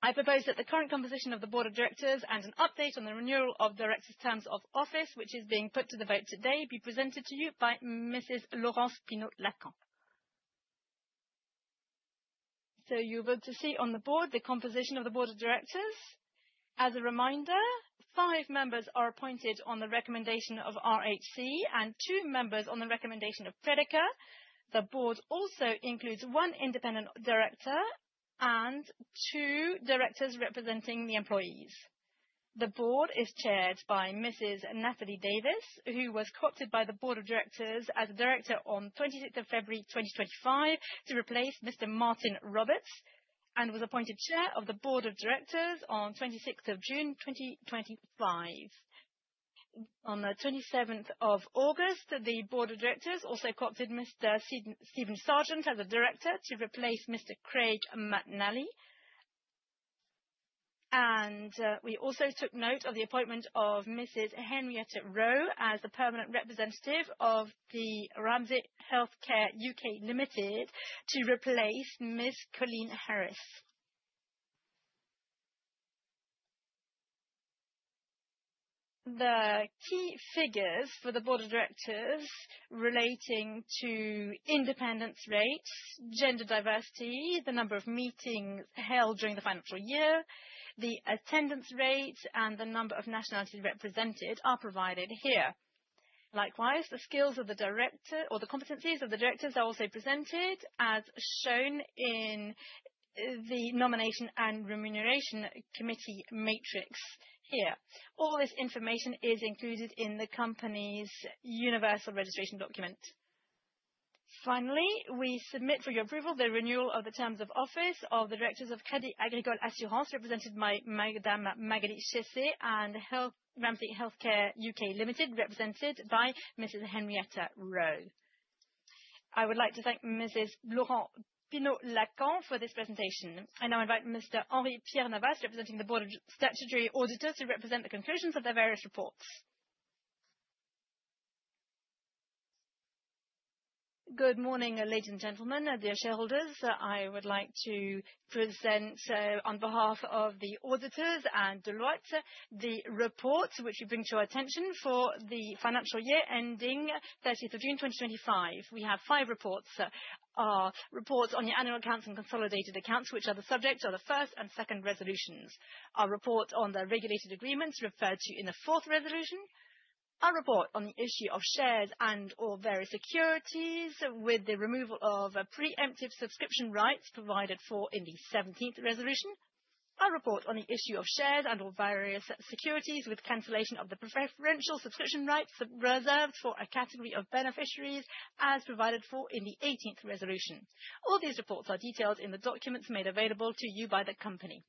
I propose that the current composition of the board of directors and an update on the renewal of directors' terms of office, which is being put to the vote today, be presented to you by Mrs. Laurence Pinault-Lacran. You're about to see on the board the composition of the board of directors. As a reminder, five members are appointed on the recommendation of RHC and two members on the recommendation of Crédit Agricole. The board also includes one independent director and two directors representing the employees. The board is chaired by Mrs. Nathalie Davis, who was co-opted by the board of directors as a director on 26th of February 2025 to replace Mr. Martyn Roberts, and was appointed chair of the board of directors on 26th of June 2025. On the 27th of August, the board of directors also co-opted Mr. Steven Sargent as a director to replace Mr. Craig McNally. We also took note of the appointment of Mrs. Henrietta Rowe as the permanent representative of the Ramsay Health Care (UK) Limited to replace Ms. Colleen Harris. The key figures for the board of directors relating to independence rates, gender diversity, the number of meetings held during the financial year, the attendance rate, and the number of nationalities represented are provided here. Likewise, the skills of the director or the competencies of the directors are also presented as shown in the nomination and remuneration committee matrix here. All this information is included in the company's universal registration document. Finally, we submit for your approval the renewal of the terms of office of the directors of Crédit Agricole Assurances, represented by Madame Magali Cheyssot, and Ramsay Health Care (UK) Limited, represented by Mrs. Henrietta Rowe. I would like to thank Mrs. Laurence Pinault-Lacamp for this presentation. I now invite Mr. Henri-Pierre Navas, representing the board of statutory auditors, to represent the conclusions of their various reports. Good morning, ladies and gentlemen, dear shareholders. I would like to present on behalf of the auditors and Deloitte, the report which we bring to your attention for the financial year ending 30th of June 2025. We have five reports. Our report on your annual accounts and consolidated accounts, which are the subject of the first and second resolutions. Our report on the regulated agreements referred to in the fourth resolution. A report on the issue of shares and/or various securities with the removal of preemptive subscription rights provided for in the 17th resolution. A report on the issue of shares and/or various securities with cancellation of the preferential subscription rights reserved for a category of beneficiaries as provided for in the 18th resolution. All these reports are detailed in the documents made available to you by the company.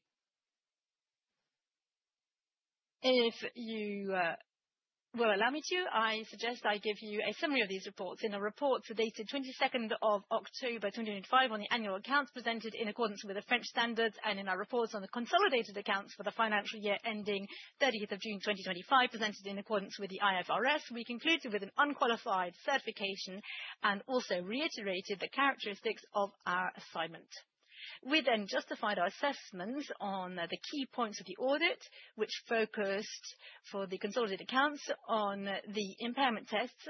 If you will allow me to, I suggest I give you a summary of these reports. In the reports dated 22nd of October 2005 on the annual accounts presented in accordance with the French standards, and in our reports on the consolidated accounts for the financial year ending 30th of June 2025 presented in accordance with the IFRS, we concluded with an unqualified certification and also reiterated the characteristics of our assignment. We then justified our assessments on the key points of the audit, which focused for the consolidated accounts on the impairment tests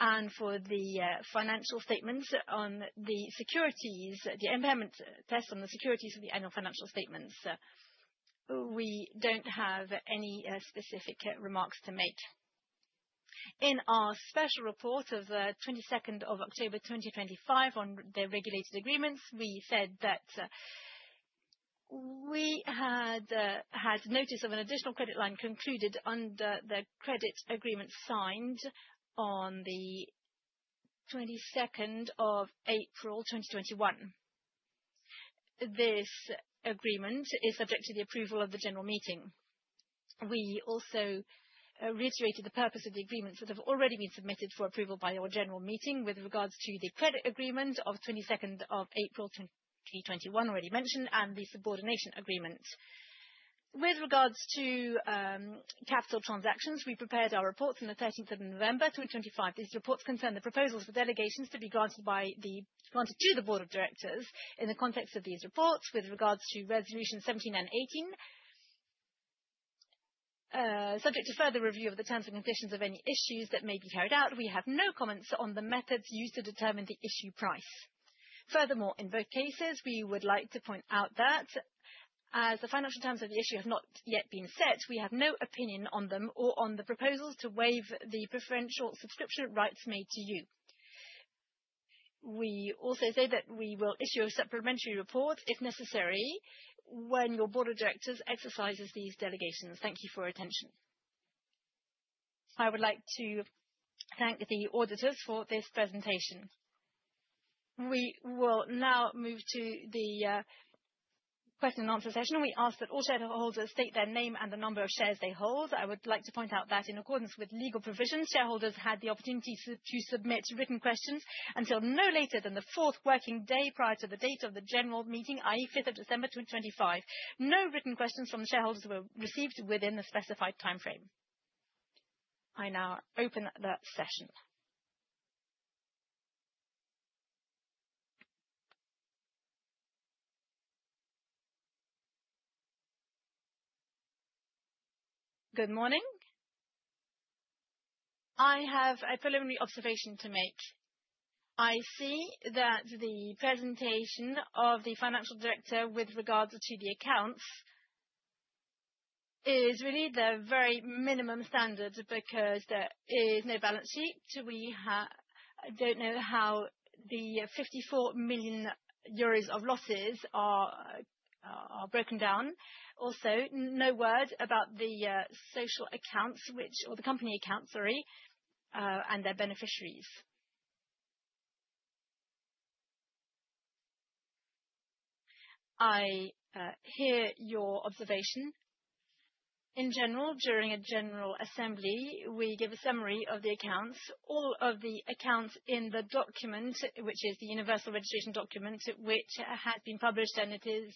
and for the financial statements on the securities, the impairment tests on the securities of the annual financial statements. We don't have any specific remarks to make. In our special report of 22nd of October 2025 on the regulated agreements, we said that we had notice of an additional credit line concluded under the credit agreement signed on the 22nd of April 2021. This agreement is subject to the approval of the general meeting. We also reiterated the purpose of the agreements that have already been submitted for approval by your general meeting with regards to the credit agreement of 22nd of April 2021, already mentioned, and the subordination agreement. With regards to capital transactions, we prepared our reports on the 13th of November 2025. These reports concern the proposals for delegations to be granted to the board of directors in the context of these reports with regards to resolution 17 and 18. Subject to further review of the terms and conditions of any issues that may be carried out, we have no comments on the methods used to determine the issue price. Furthermore, in both cases, we would like to point out that as the financial terms of the issue have not yet been set, we have no opinion on them or on the proposals to waive the preferential subscription rights made to you. We also say that we will issue a supplementary report if necessary when your board of directors exercises these delegations. Thank you for your attention. I would like to thank the auditors for this presentation. We will now move to the question and answer session. We ask that all shareholders state their name and the number of shares they hold. I would like to point out that in accordance with legal provisions, shareholders had the opportunity to submit written questions until no later than the fourth working day prior to the date of the general meeting, i.e., 5th of December 2025. No written questions from the shareholders were received within the specified timeframe. I now open that session. Good morning. I have a preliminary observation to make. I see that the presentation of the financial director with regards to the accounts is really the very minimum standard because there is no balance sheet. We don't know how the 54 million euros of losses are broken down. Also, no word about the social accounts, or the company accounts, and their beneficiaries. I hear your observation. In general, during a general assembly, we give a summary of the accounts. All of the accounts in the document, which is the universal registration document, which has been published and it is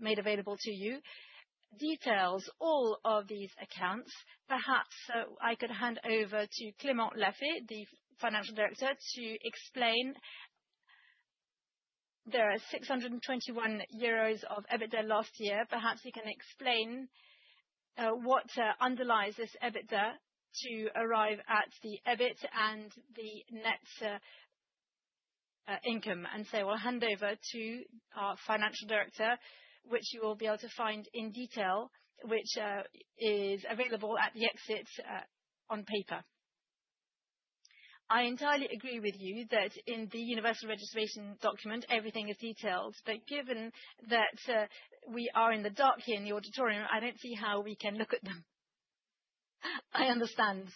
made available to you, details all of these accounts. Perhaps I could hand over to Clément Laffaye, the financial director, to explain. There are 621 million euros of EBITDA last year. Perhaps you can explain what underlies this EBITDA to arrive at the EBIT and the net income. I'll hand over to our financial director, which you will be able to find in detail, which is available at the exit on paper. I entirely agree with you that in the universal registration document, everything is detailed. Given that we are in the dark here in the auditorium, I don't see how we can look at them. I understand,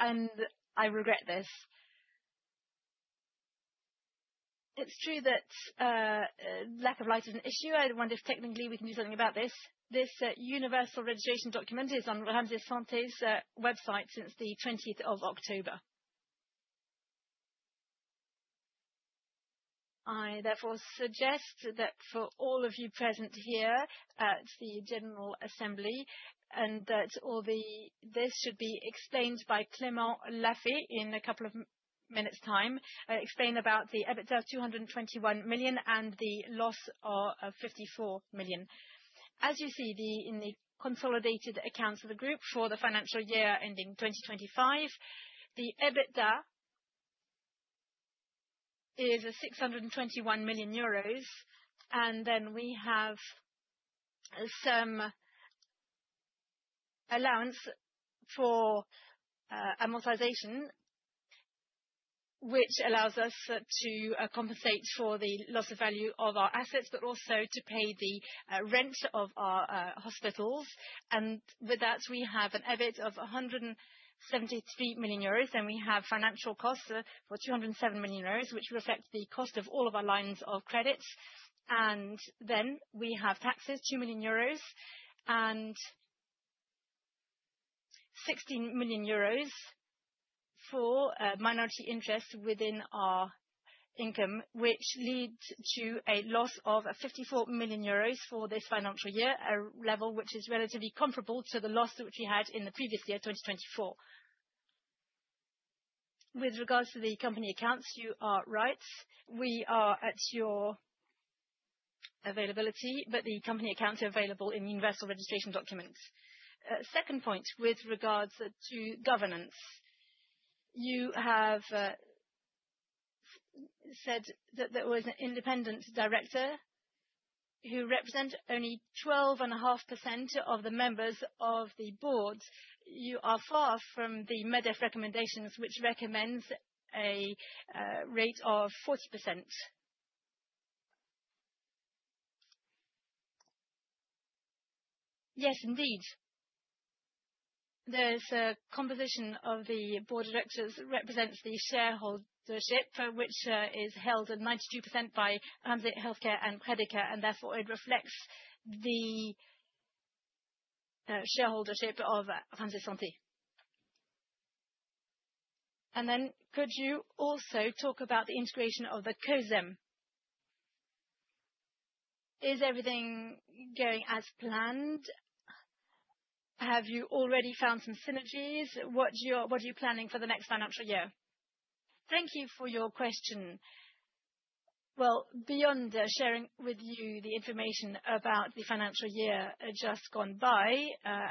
and I regret this. It's true that lack of light is an issue. I wonder if technically we can do something about this. This universal registration document is on Ramsay Santé's website since the 20th of October. I therefore suggest that for all of you present here at the general assembly, that this should be explained by Clément Laffaye in a couple of minutes time, explain about the EBITDA of 221 million and the loss of 54 million. As you see in the consolidated accounts of the group for the financial year ending 2025, the EBITDA Is a 621 million euros, and then we have some allowance for amortization, which allows us to compensate for the loss of value of our assets, but also to pay the rent of our hospitals. With that, we have an EBIT of 173 million euros. We have financial costs for 207 million euros, which reflects the cost of all of our lines of credits. Then we have taxes, 2 million euros and 16 million euros for minority interest within our income, which leads to a loss of 54 million euros for this financial year, a level which is relatively comparable to the loss which we had in the previous year, 2024. With regards to the company accounts, you are right, we are at your availability, the company accounts are available in the investor registration documents. Second point, with regards to governance. You have said that there was an independent director who represent only 12.5% of the members of the board. You are far from the Medef recommendations, which recommends a rate of 40%. Yes, indeed. There's a composition of the board of directors that represents the shareholdership, which is held at 92% by Ramsay Health Care and Crédit. Therefore, it reflects the shareholdership of Ramsay Santé. Could you also talk about the integration of the COSEM? Is everything going as planned? Have you already found some synergies? What are you planning for the next financial year? Thank you for your question. Well, beyond sharing with you the information about the financial year just gone by,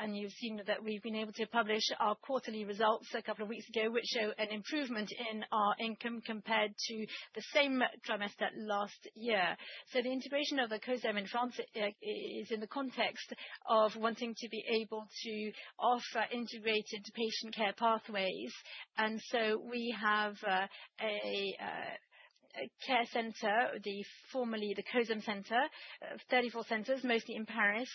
you've seen that we've been able to publish our quarterly results a couple of weeks ago, which show an improvement in our income compared to the same trimester last year. The integration of the COSEM in France is in the context of wanting to be able to offer integrated patient care pathways. We have a care center, formerly the COSEM Center, 34 centers, mostly in Paris,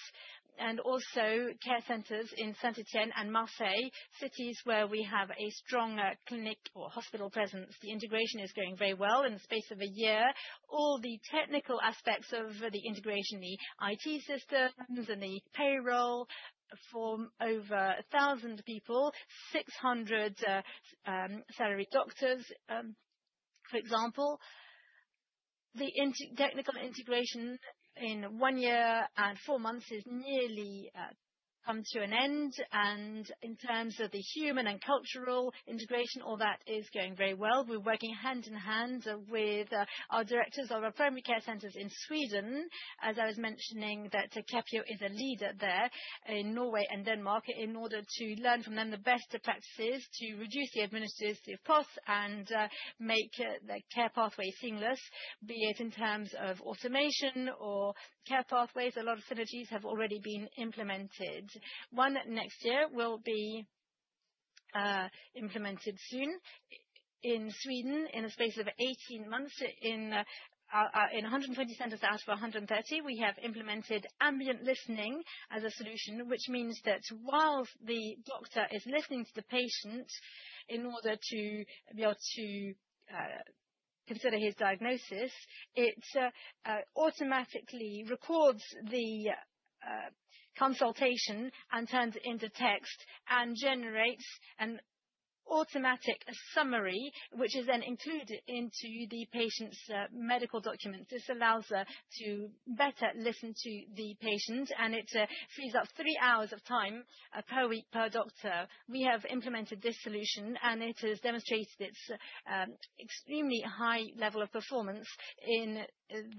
and also care centers in Saint-Étienne and Marseille, cities where we have a strong clinic or hospital presence. The integration is going very well in the space of a year. All the technical aspects of the integration, the IT systems and the payroll for over 1,000 people, 600 salaried doctors, for example. The technical integration in one year and four months has nearly come to an end. In terms of the human and cultural integration, all that is going very well. We're working hand in hand with our directors of our primary care centers in Sweden, as I was mentioning that Capio is a leader there in Norway and Denmark, in order to learn from them the best practices to reduce the administrative costs and make the care pathway seamless, be it in terms of automation or care pathways. A lot of synergies have already been implemented. One next year will be implemented soon in Sweden in the space of 18 months in 120 centers out of 130. We have implemented ambient listening as a solution, which means that while the doctor is listening to the patient in order to be able to consider his diagnosis, it automatically records the consultation and turns it into text and generates an automatic summary, which is then included into the patient's medical documents. This allows to better listen to the patient, and it frees up three hours of time per week per doctor. We have implemented this solution, and it has demonstrated its extremely high level of performance in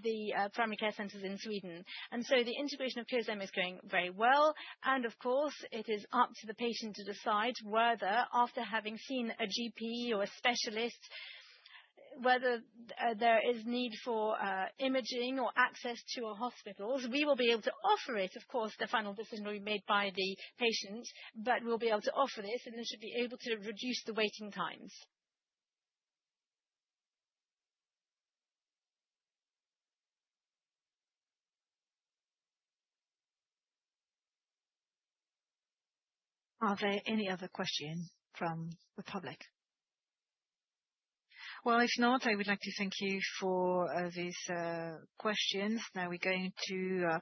the primary care centers in Sweden. The integration of COSEM is going very well, and of course, it is up to the patient to decide whether after having seen a GP or a specialist, whether there is need for imaging or access to hospitals. We will be able to offer it, of course, the final decision will be made by the patient, but we'll be able to offer this, and it should be able to reduce the waiting times. Are there any other questions from the public? If not, I would like to thank you for these questions. We're going to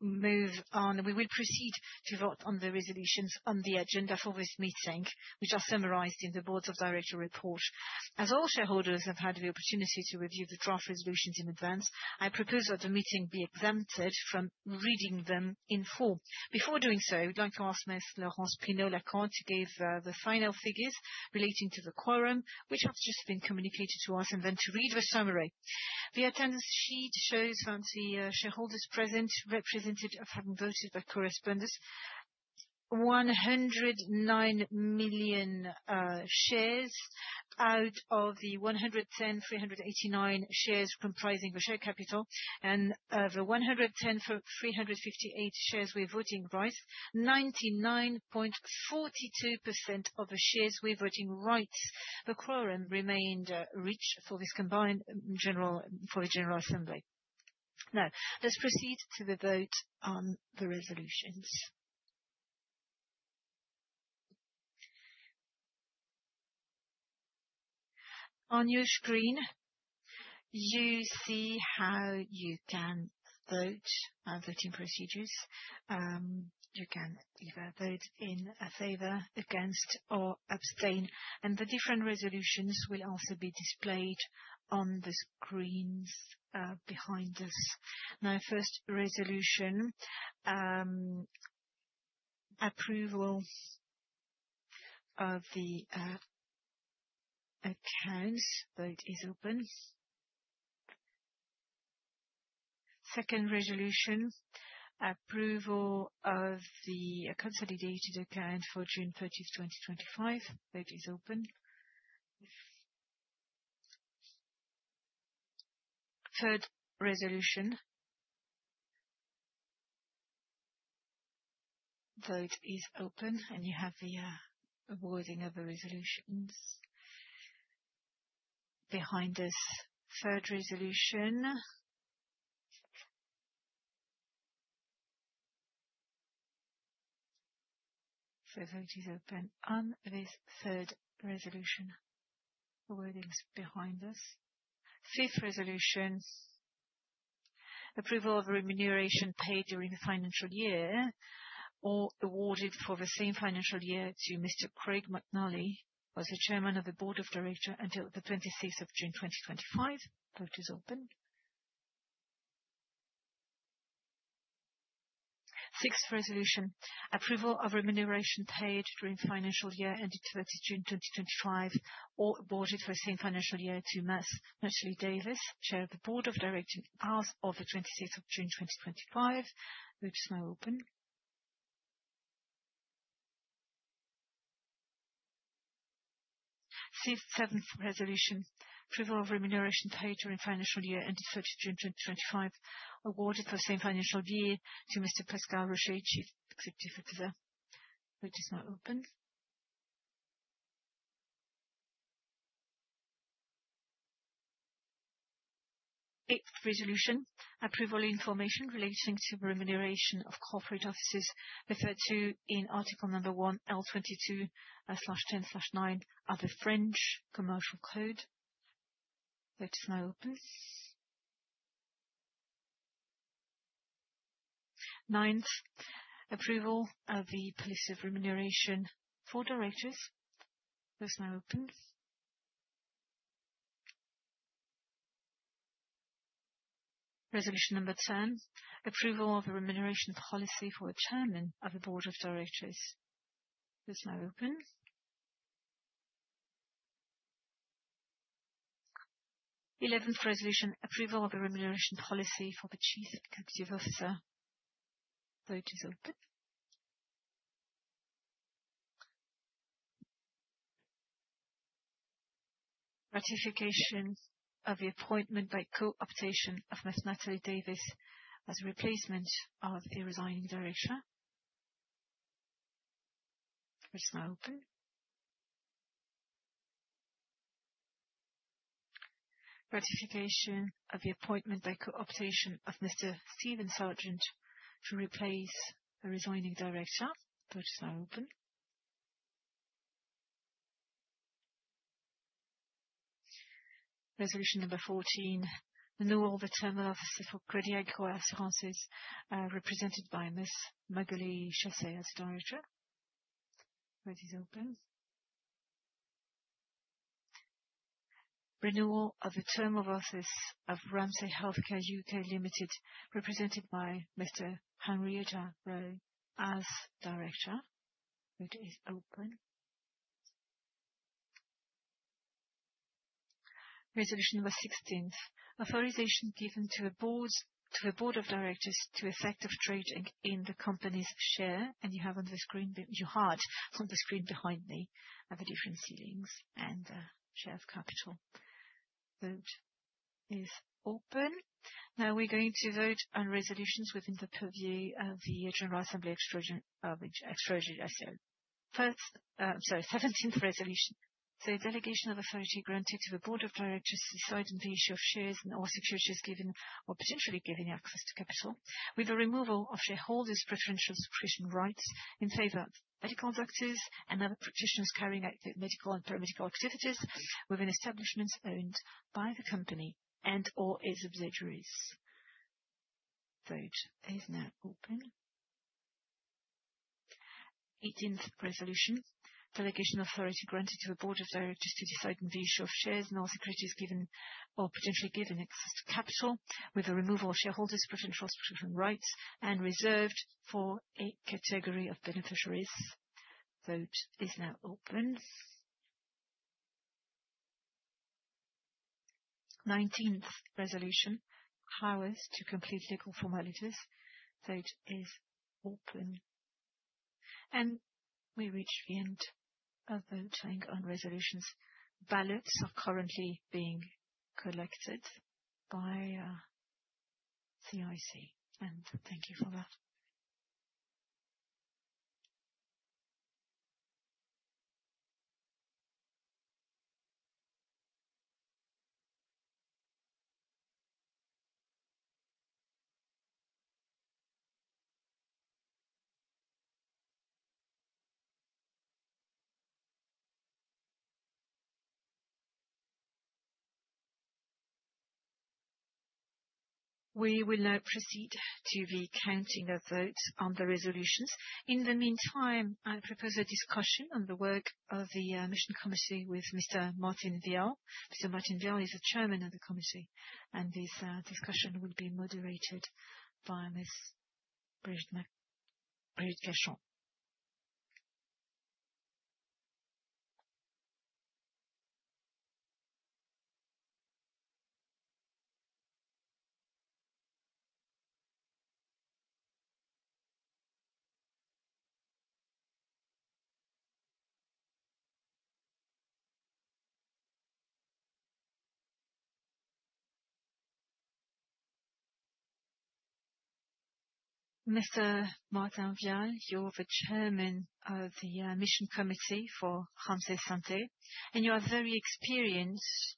move on. We will proceed to vote on the resolutions on the agenda for this meeting, which are summarized in the Boards of Director report. As all shareholders have had the opportunity to review the draft resolutions in advance, I propose that the meeting be exempted from reading them in full. Before doing so, I would like to ask Ms. Laurence Pinot-Lacan to give the final figures relating to the quorum, which has just been communicated to us, and then to read the summary. The attendance sheet shows the shareholders present, represented or having voted by correspondence. 109 million shares out of the 110,389 shares comprising the share capital, and of the 110,358 shares with voting rights, 99.42% of the shares with voting rights. The quorum remained rich for this combined general assembly. Let's proceed to the vote on the resolutions. On your screen, you see how you can vote on voting procedures. You can either vote in favor, against, or abstain, and the different resolutions will also be displayed on the screens behind us. First resolution, approval of the accounts. Vote is open. Second resolution, approval of the consolidated account for June 30th, 2025. Vote is open. Third resolution. Vote is open, and you have the wording of the resolutions behind us. Third resolution. The vote is open on this third resolution. The wording is behind us. Fifth resolution, approval of remuneration paid during the financial year or awarded for the same financial year to Mr. Craig McNally, who was the chairman of the board of director until the 26th of June 2025. Vote is open. Sixth resolution, approval of remuneration paid during financial year ending 30 June 2025 or awarded for same financial year to Ms Natalie Davis, Chairman of the Board of Directors as of the 26th of June 2025. Vote is now open. Seventh resolution, approval of remuneration paid during financial year ending 30 June 2025, awarded for same financial year to Mr. Pascal Roché, Chief Executive Officer. Vote is now open. Eighth resolution, approval information relating to remuneration of corporate officers referred to in article L. 22-10-9 of the French Commercial Code. Vote is now open. Ninth resolution, approval of the policy of remuneration for directors. Vote is now open. Resolution number 10, approval of a remuneration policy for a Chairman of the Board of Directors. Vote is now open. Eleventh resolution, approval of a remuneration policy for the Chief Executive Officer. Vote is open. Ratification of the appointment by co-optation of Ms Natalie Davis as replacement of the resigning director. Vote is now open. Ratification of the appointment by co-optation of Mr. Steven Sargent to replace a resigning director. Vote is now open. Resolution number 14, renewal of the term of office for Crédit Agricole Assurances, represented by Ms Magali Chessé as director. Vote is open. Renewal of the term of office of Ramsay Health Care (UK) Limited, represented by Henrietta Rowe as director. Vote is open. Resolution number 16th, authorization given to a Board of Directors to effect trading in the company's share. You have on the screen behind me the different ceilings and share capital. Vote is open. Now we're going to vote on resolutions within the purview of the General Assembly extraordinary AGM. Sorry, 17th resolution. The delegation of authority granted to the Board of Directors to decide on the issue of shares or securities given or potentially given access to capital with the removal of shareholders' preferential subscription rights in favor of medical doctors and other practitioners carrying out their medical and paramedical activities within establishments owned by the company and/or its subsidiaries. Vote is now open. 18th resolution, delegation of authority granted to the Board of Directors to decide on the issue of shares and all securities given or potentially given access to capital with the removal of shareholders' preferential subscription rights and reserved for a category of beneficiaries. Vote is now open. 19th resolution, powers to complete legal formalities. Vote is open. We reach the end of voting on resolutions. Ballots are currently being collected by CIC. We will now proceed to the counting of votes on the resolutions. In the meantime, I propose a discussion on the work of the Mission Committee with Mr. Martin Vial. Mr. Martin Vial is the Chairman of the Committee, and this discussion will be moderated by Ms. Brigitte Cachon. Mr. Martin Vial, you're the Chairman of the Mission Committee for Ramsay Santé, and you are very experienced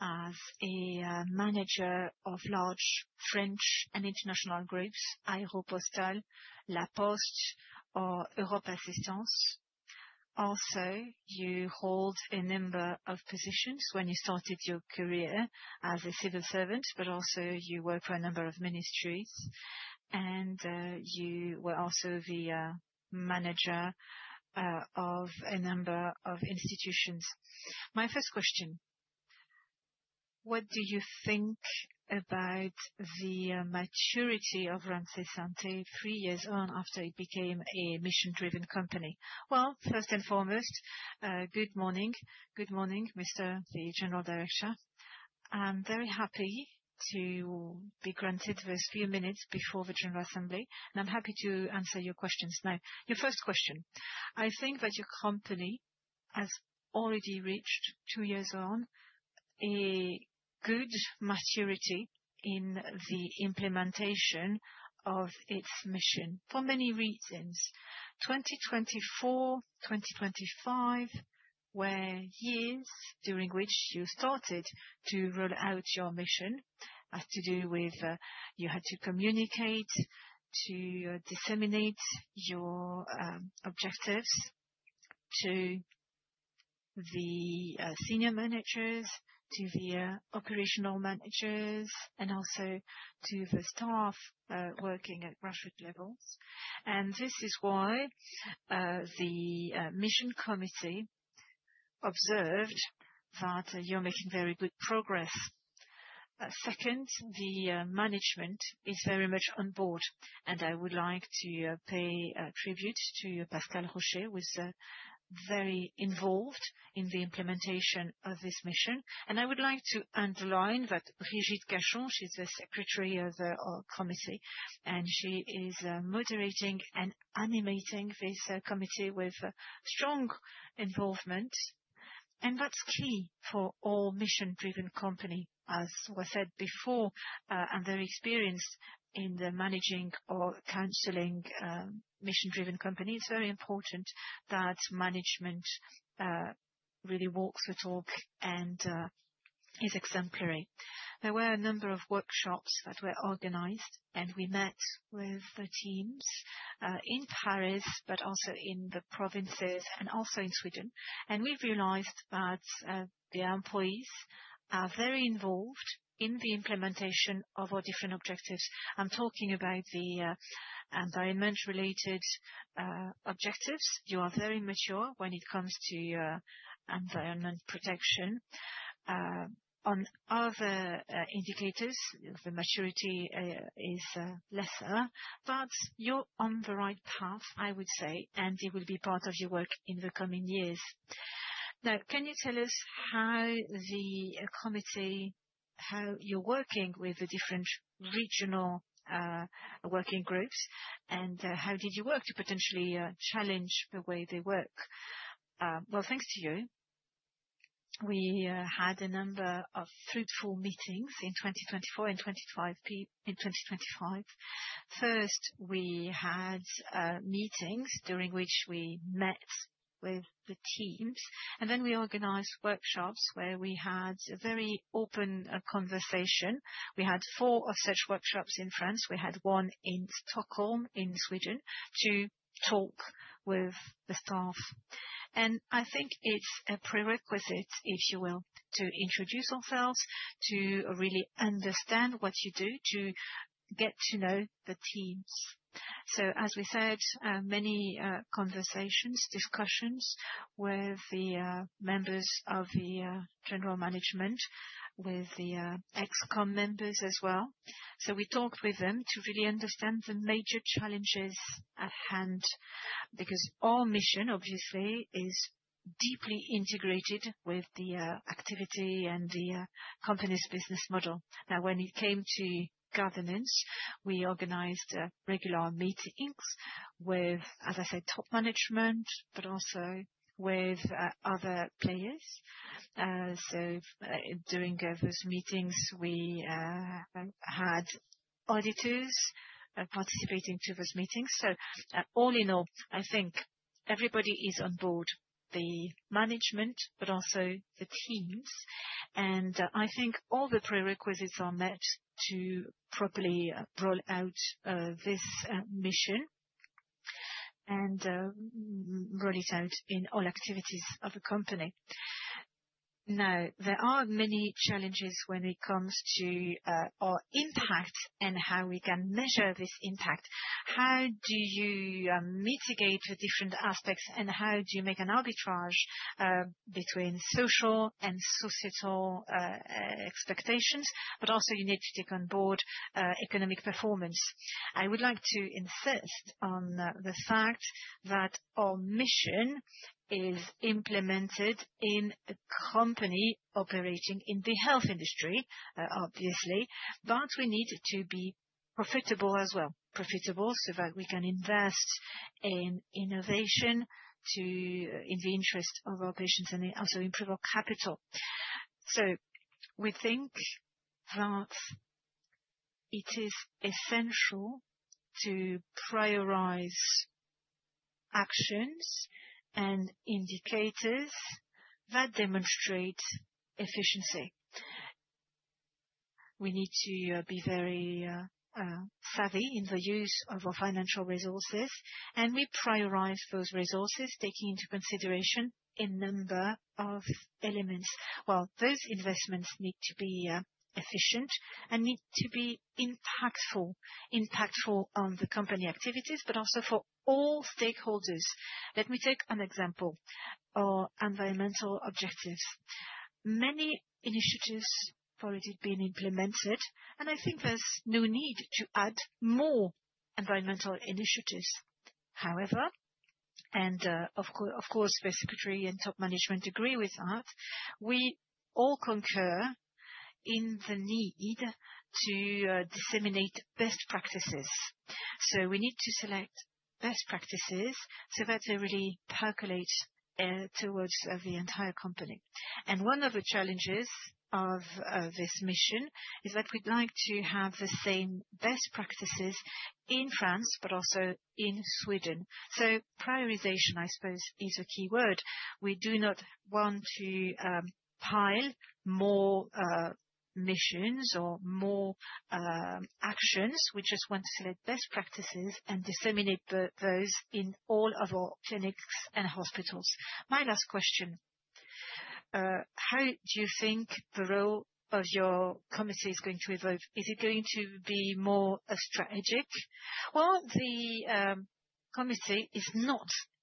as a manager of large French and international groups, Aéropostale, La Poste, or Europ Assistance. You hold a number of positions when you started your career as a civil servant, but also you work for a number of ministries, and you were also the manager of a number of institutions. My first question, what do you think about the maturity of Ramsay Santé three years on after it became a mission-driven company? First and foremost, good morning. Good morning, Mr. General Director. I'm very happy to be granted these few minutes before the general assembly, I'm happy to answer your questions. Your first question. I think that your company has already reached, two years on, a good maturity in the implementation of its mission for many reasons. 2024, 2025, were years during which you started to roll out your mission. Has to do with you had to communicate, to disseminate your objectives to the senior managers, to the operational managers, and also to the staff working at grassroots levels. This is why the Mission Committee observed that you're making very good progress. Second, the management is very much on board, and I would like to pay a tribute to Pascal Roché, who is very involved in the implementation of this mission. I would like to underline that Brigitte Cachon, she's the secretary of the committee, she is moderating and animating this committee with strong involvement, that's key for all mission-driven company. As was said before, their experience in the managing or counseling mission-driven company, it's very important that management really walks the talk and is exemplary. There were a number of workshops that were organized, we met with the teams in Paris, but also in the provinces and also in Sweden. We've realized that the employees are very involved in the implementation of our different objectives. I'm talking about the environment-related objectives. You are very mature when it comes to your environment protection. On other indicators, the maturity is lesser, but you're on the right path, I would say, and it will be part of your work in the coming years. Can you tell us how the committee, how you're working with the different regional working groups, how did you work to potentially challenge the way they work? Thanks to you. We had a number of fruitful meetings in 2024 and 2025. First, we had meetings during which we met with the teams, then we organized workshops where we had a very open conversation. We had four of such workshops in France. We had one in Stockholm, in Sweden, to talk with the staff. I think it's a prerequisite, if you will, to introduce ourselves, to really understand what you do, to get to know the teams. As we said, many conversations, discussions with the members of the general management, with the ExCo members as well. We talked with them to really understand the major challenges at hand, because our mission, obviously, is deeply integrated with the activity and the company's business model. When it came to governance, we organized regular meetings with, as I said, top management, also with other players. During those meetings, we had auditors participating to those meetings. All in all, I think everybody is on board, the management, also the teams. I think all the prerequisites are met to properly roll out this mission and roll it out in all activities of the company. There are many challenges when it comes to our impact and how we can measure this impact. How do you mitigate the different aspects, how do you make an arbitrage between social and societal expectations? Also you need to take on board economic performance. I would like to insist on the fact that our mission is implemented in a company operating in the health industry, obviously, but we need to be profitable as well. So that we can invest in innovation in the interest of our patients and also improve our capital. We think that it is essential to prioritize actions and indicators that demonstrate efficiency. We need to be very savvy in the use of our financial resources, we prioritize those resources taking into consideration a number of elements. Those investments need to be efficient and need to be impactful on the company activities, but also for all stakeholders. Let me take an example. Our environmental objectives. Many initiatives have already been implemented, and I think there's no need to add more environmental initiatives. Of course, the secretary and top management agree with that, we all concur in the need to disseminate best practices. We need to select best practices so that they really percolate towards the entire company. One of the challenges of this mission is that we'd like to have the same best practices in France, but also in Sweden. Prioritization, I suppose, is a key word. We do not want to pile more missions or more actions. We just want to select best practices and disseminate those in all of our clinics and hospitals. My last question. How do you think the role of your committee is going to evolve? Is it going to be more strategic? Well, the committee is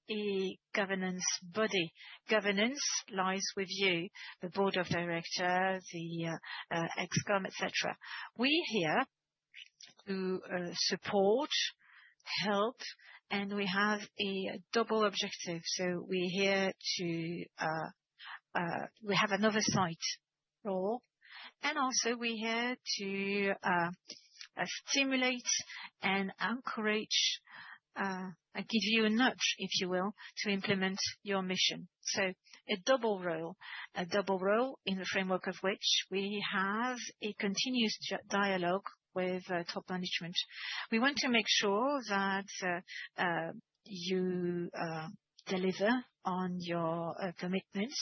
not a governance body. Governance lies with you, the board of directors, the ExCo, et cetera. We're here to support, help, and we have a double objective. We have an oversight role, and also we're here to stimulate and encourage, give you a nudge, if you will, to implement your mission. A double role in the framework of which we have a continuous dialogue with top management. We want to make sure that you deliver on your commitments.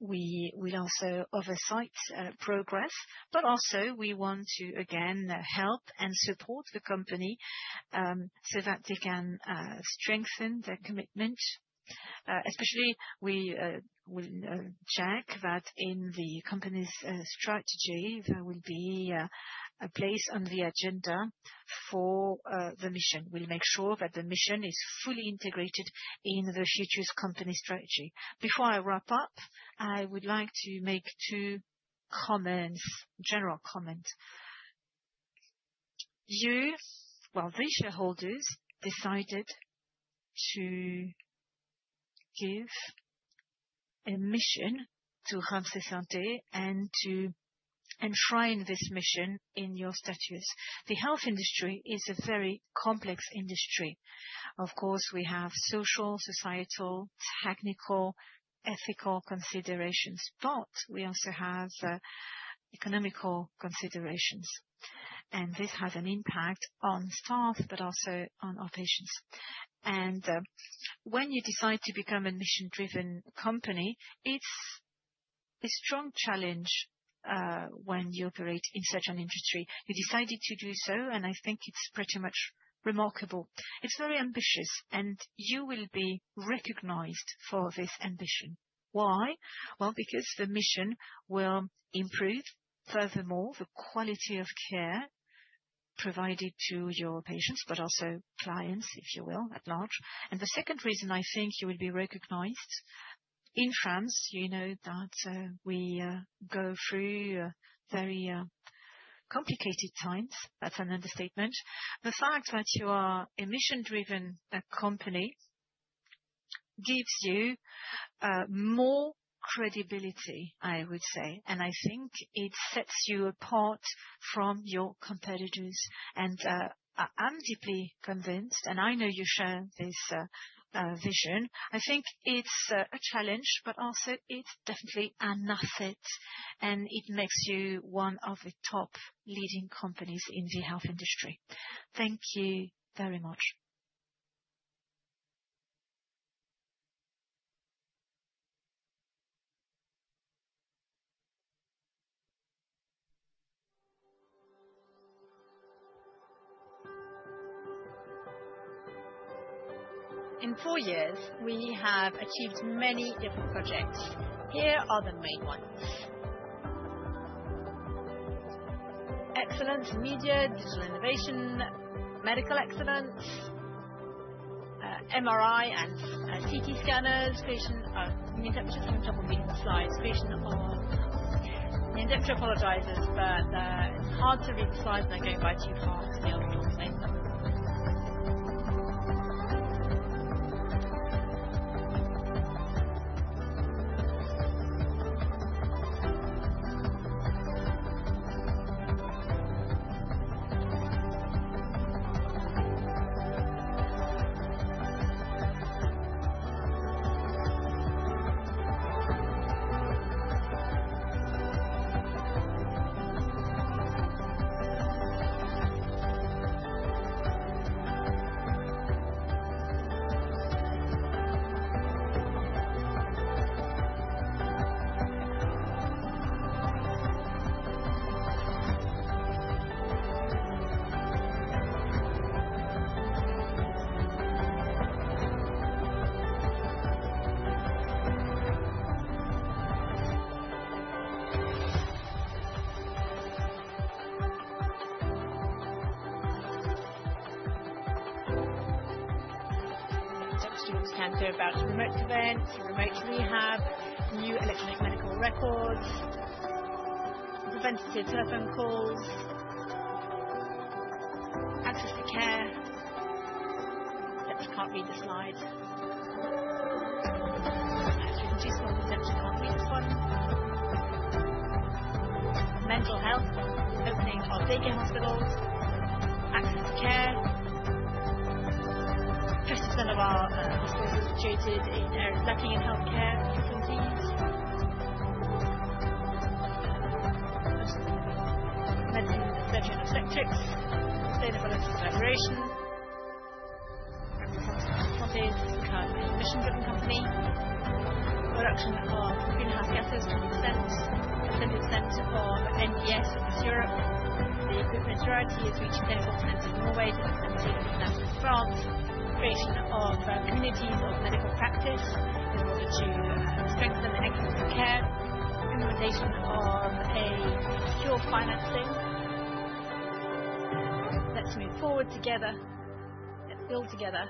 We also oversight progress, we want to, again, help and support the company so that they can strengthen their commitment. We will check that in the company's strategy, there will be a place on the agenda for the mission. We'll make sure that the mission is fully integrated in the future company strategy. Before I wrap up, I would like to make two comments, general comments. You, well, the shareholders decided to give a mission to Ramsay Générale de Santé and to enshrine this mission in your statutes. The health industry is a very complex industry. Of course, we have social, societal, technical, ethical considerations, but we also have economical considerations, and this has an impact on staff but also on our patients. When you decide to become a mission-driven company, it's a strong challenge when you operate in such an industry. You decided to do so, and I think it's pretty much remarkable. It's very ambitious, and you will be recognized for this ambition. Why? Well, because the mission will improve, furthermore, the quality of care provided to your patients, but also clients, if you will, at large. The second reason I think you will be recognized In France, you know that we go through very complicated times. That's an understatement. The fact that you are a mission-driven company gives you more credibility, I would say, and I think it sets you apart from your competitors. I'm deeply convinced, and I know you share this vision. I think it's a challenge, but also it's definitely an asset, and it makes you one of the top leading companies in the health industry. Thank you very much. In four years, we have achieved many different projects. Here are the main ones. Excellence in media, digital innovation, medical excellence, MRI and CT scanners. I mean, I'm just having trouble reading the slides. Creation of. The industry apologizes, but it's hard to read the slides. They're going by too fast to be able to explain them. Students can go about remote events, remote rehab, new electronic medical records, preventative telephone calls, access to care. Just can't read the slide. Perhaps we can do some of the steps. You can't read this one. Mental health, opening of our day care hospitals, access to care. 50% of our hospitals are situated in areas lacking in healthcare facilities. Mentoring the veteran of ethics, sustainability collaboration. Representing what is currently a mission-driven company. Production of greenhouse gases, 20%. Extended center of MES across Europe. The equipment priority is reaching their potential in all ways by maintaining a presence in France. Creation of communities of medical practice which strengthen equity of care. Implementation of a secure financing. Let's move forward together. Let's build together.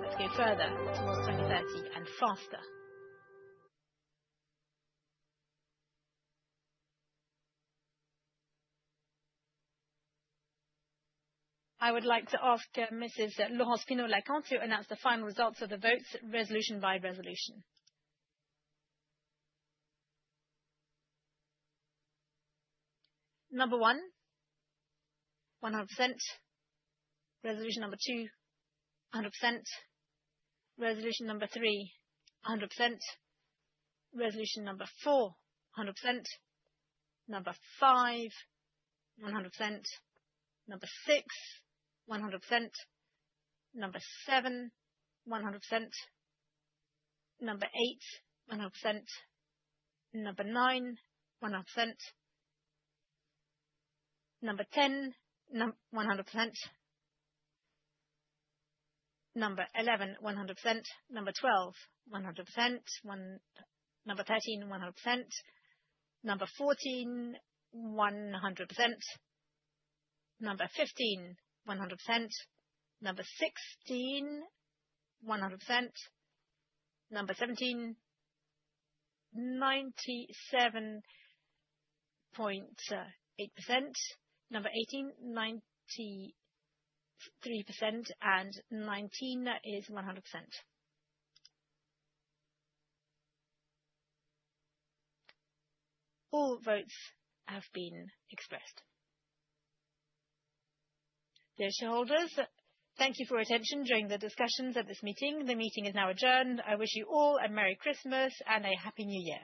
Let's go further towards 2030 and faster. I would like to ask Mrs. Laurence Pinot-Lacan to announce the final results of the votes, resolution by resolution. Number 1, 100%. Resolution number 2, 100%. Resolution number 3, 100%. Resolution number 4, 100%. Number 5, 100%. Number 6, 100%. Number 7, 100%. Number 8, 100%. Number 9, 100%. Number 10, 100%. Number 11, 100%. Number 12, 100%. Number 13, 100%. Number 14, 100%. Number 15, 100%. Number 16, 100%. Number 17, 97.8%. Number 18, 93%, and 19 is 100%. All votes have been expressed. Dear shareholders, thank you for your attention during the discussions at this meeting. The meeting is now adjourned. I wish you all a merry Christmas and a Happy New Year.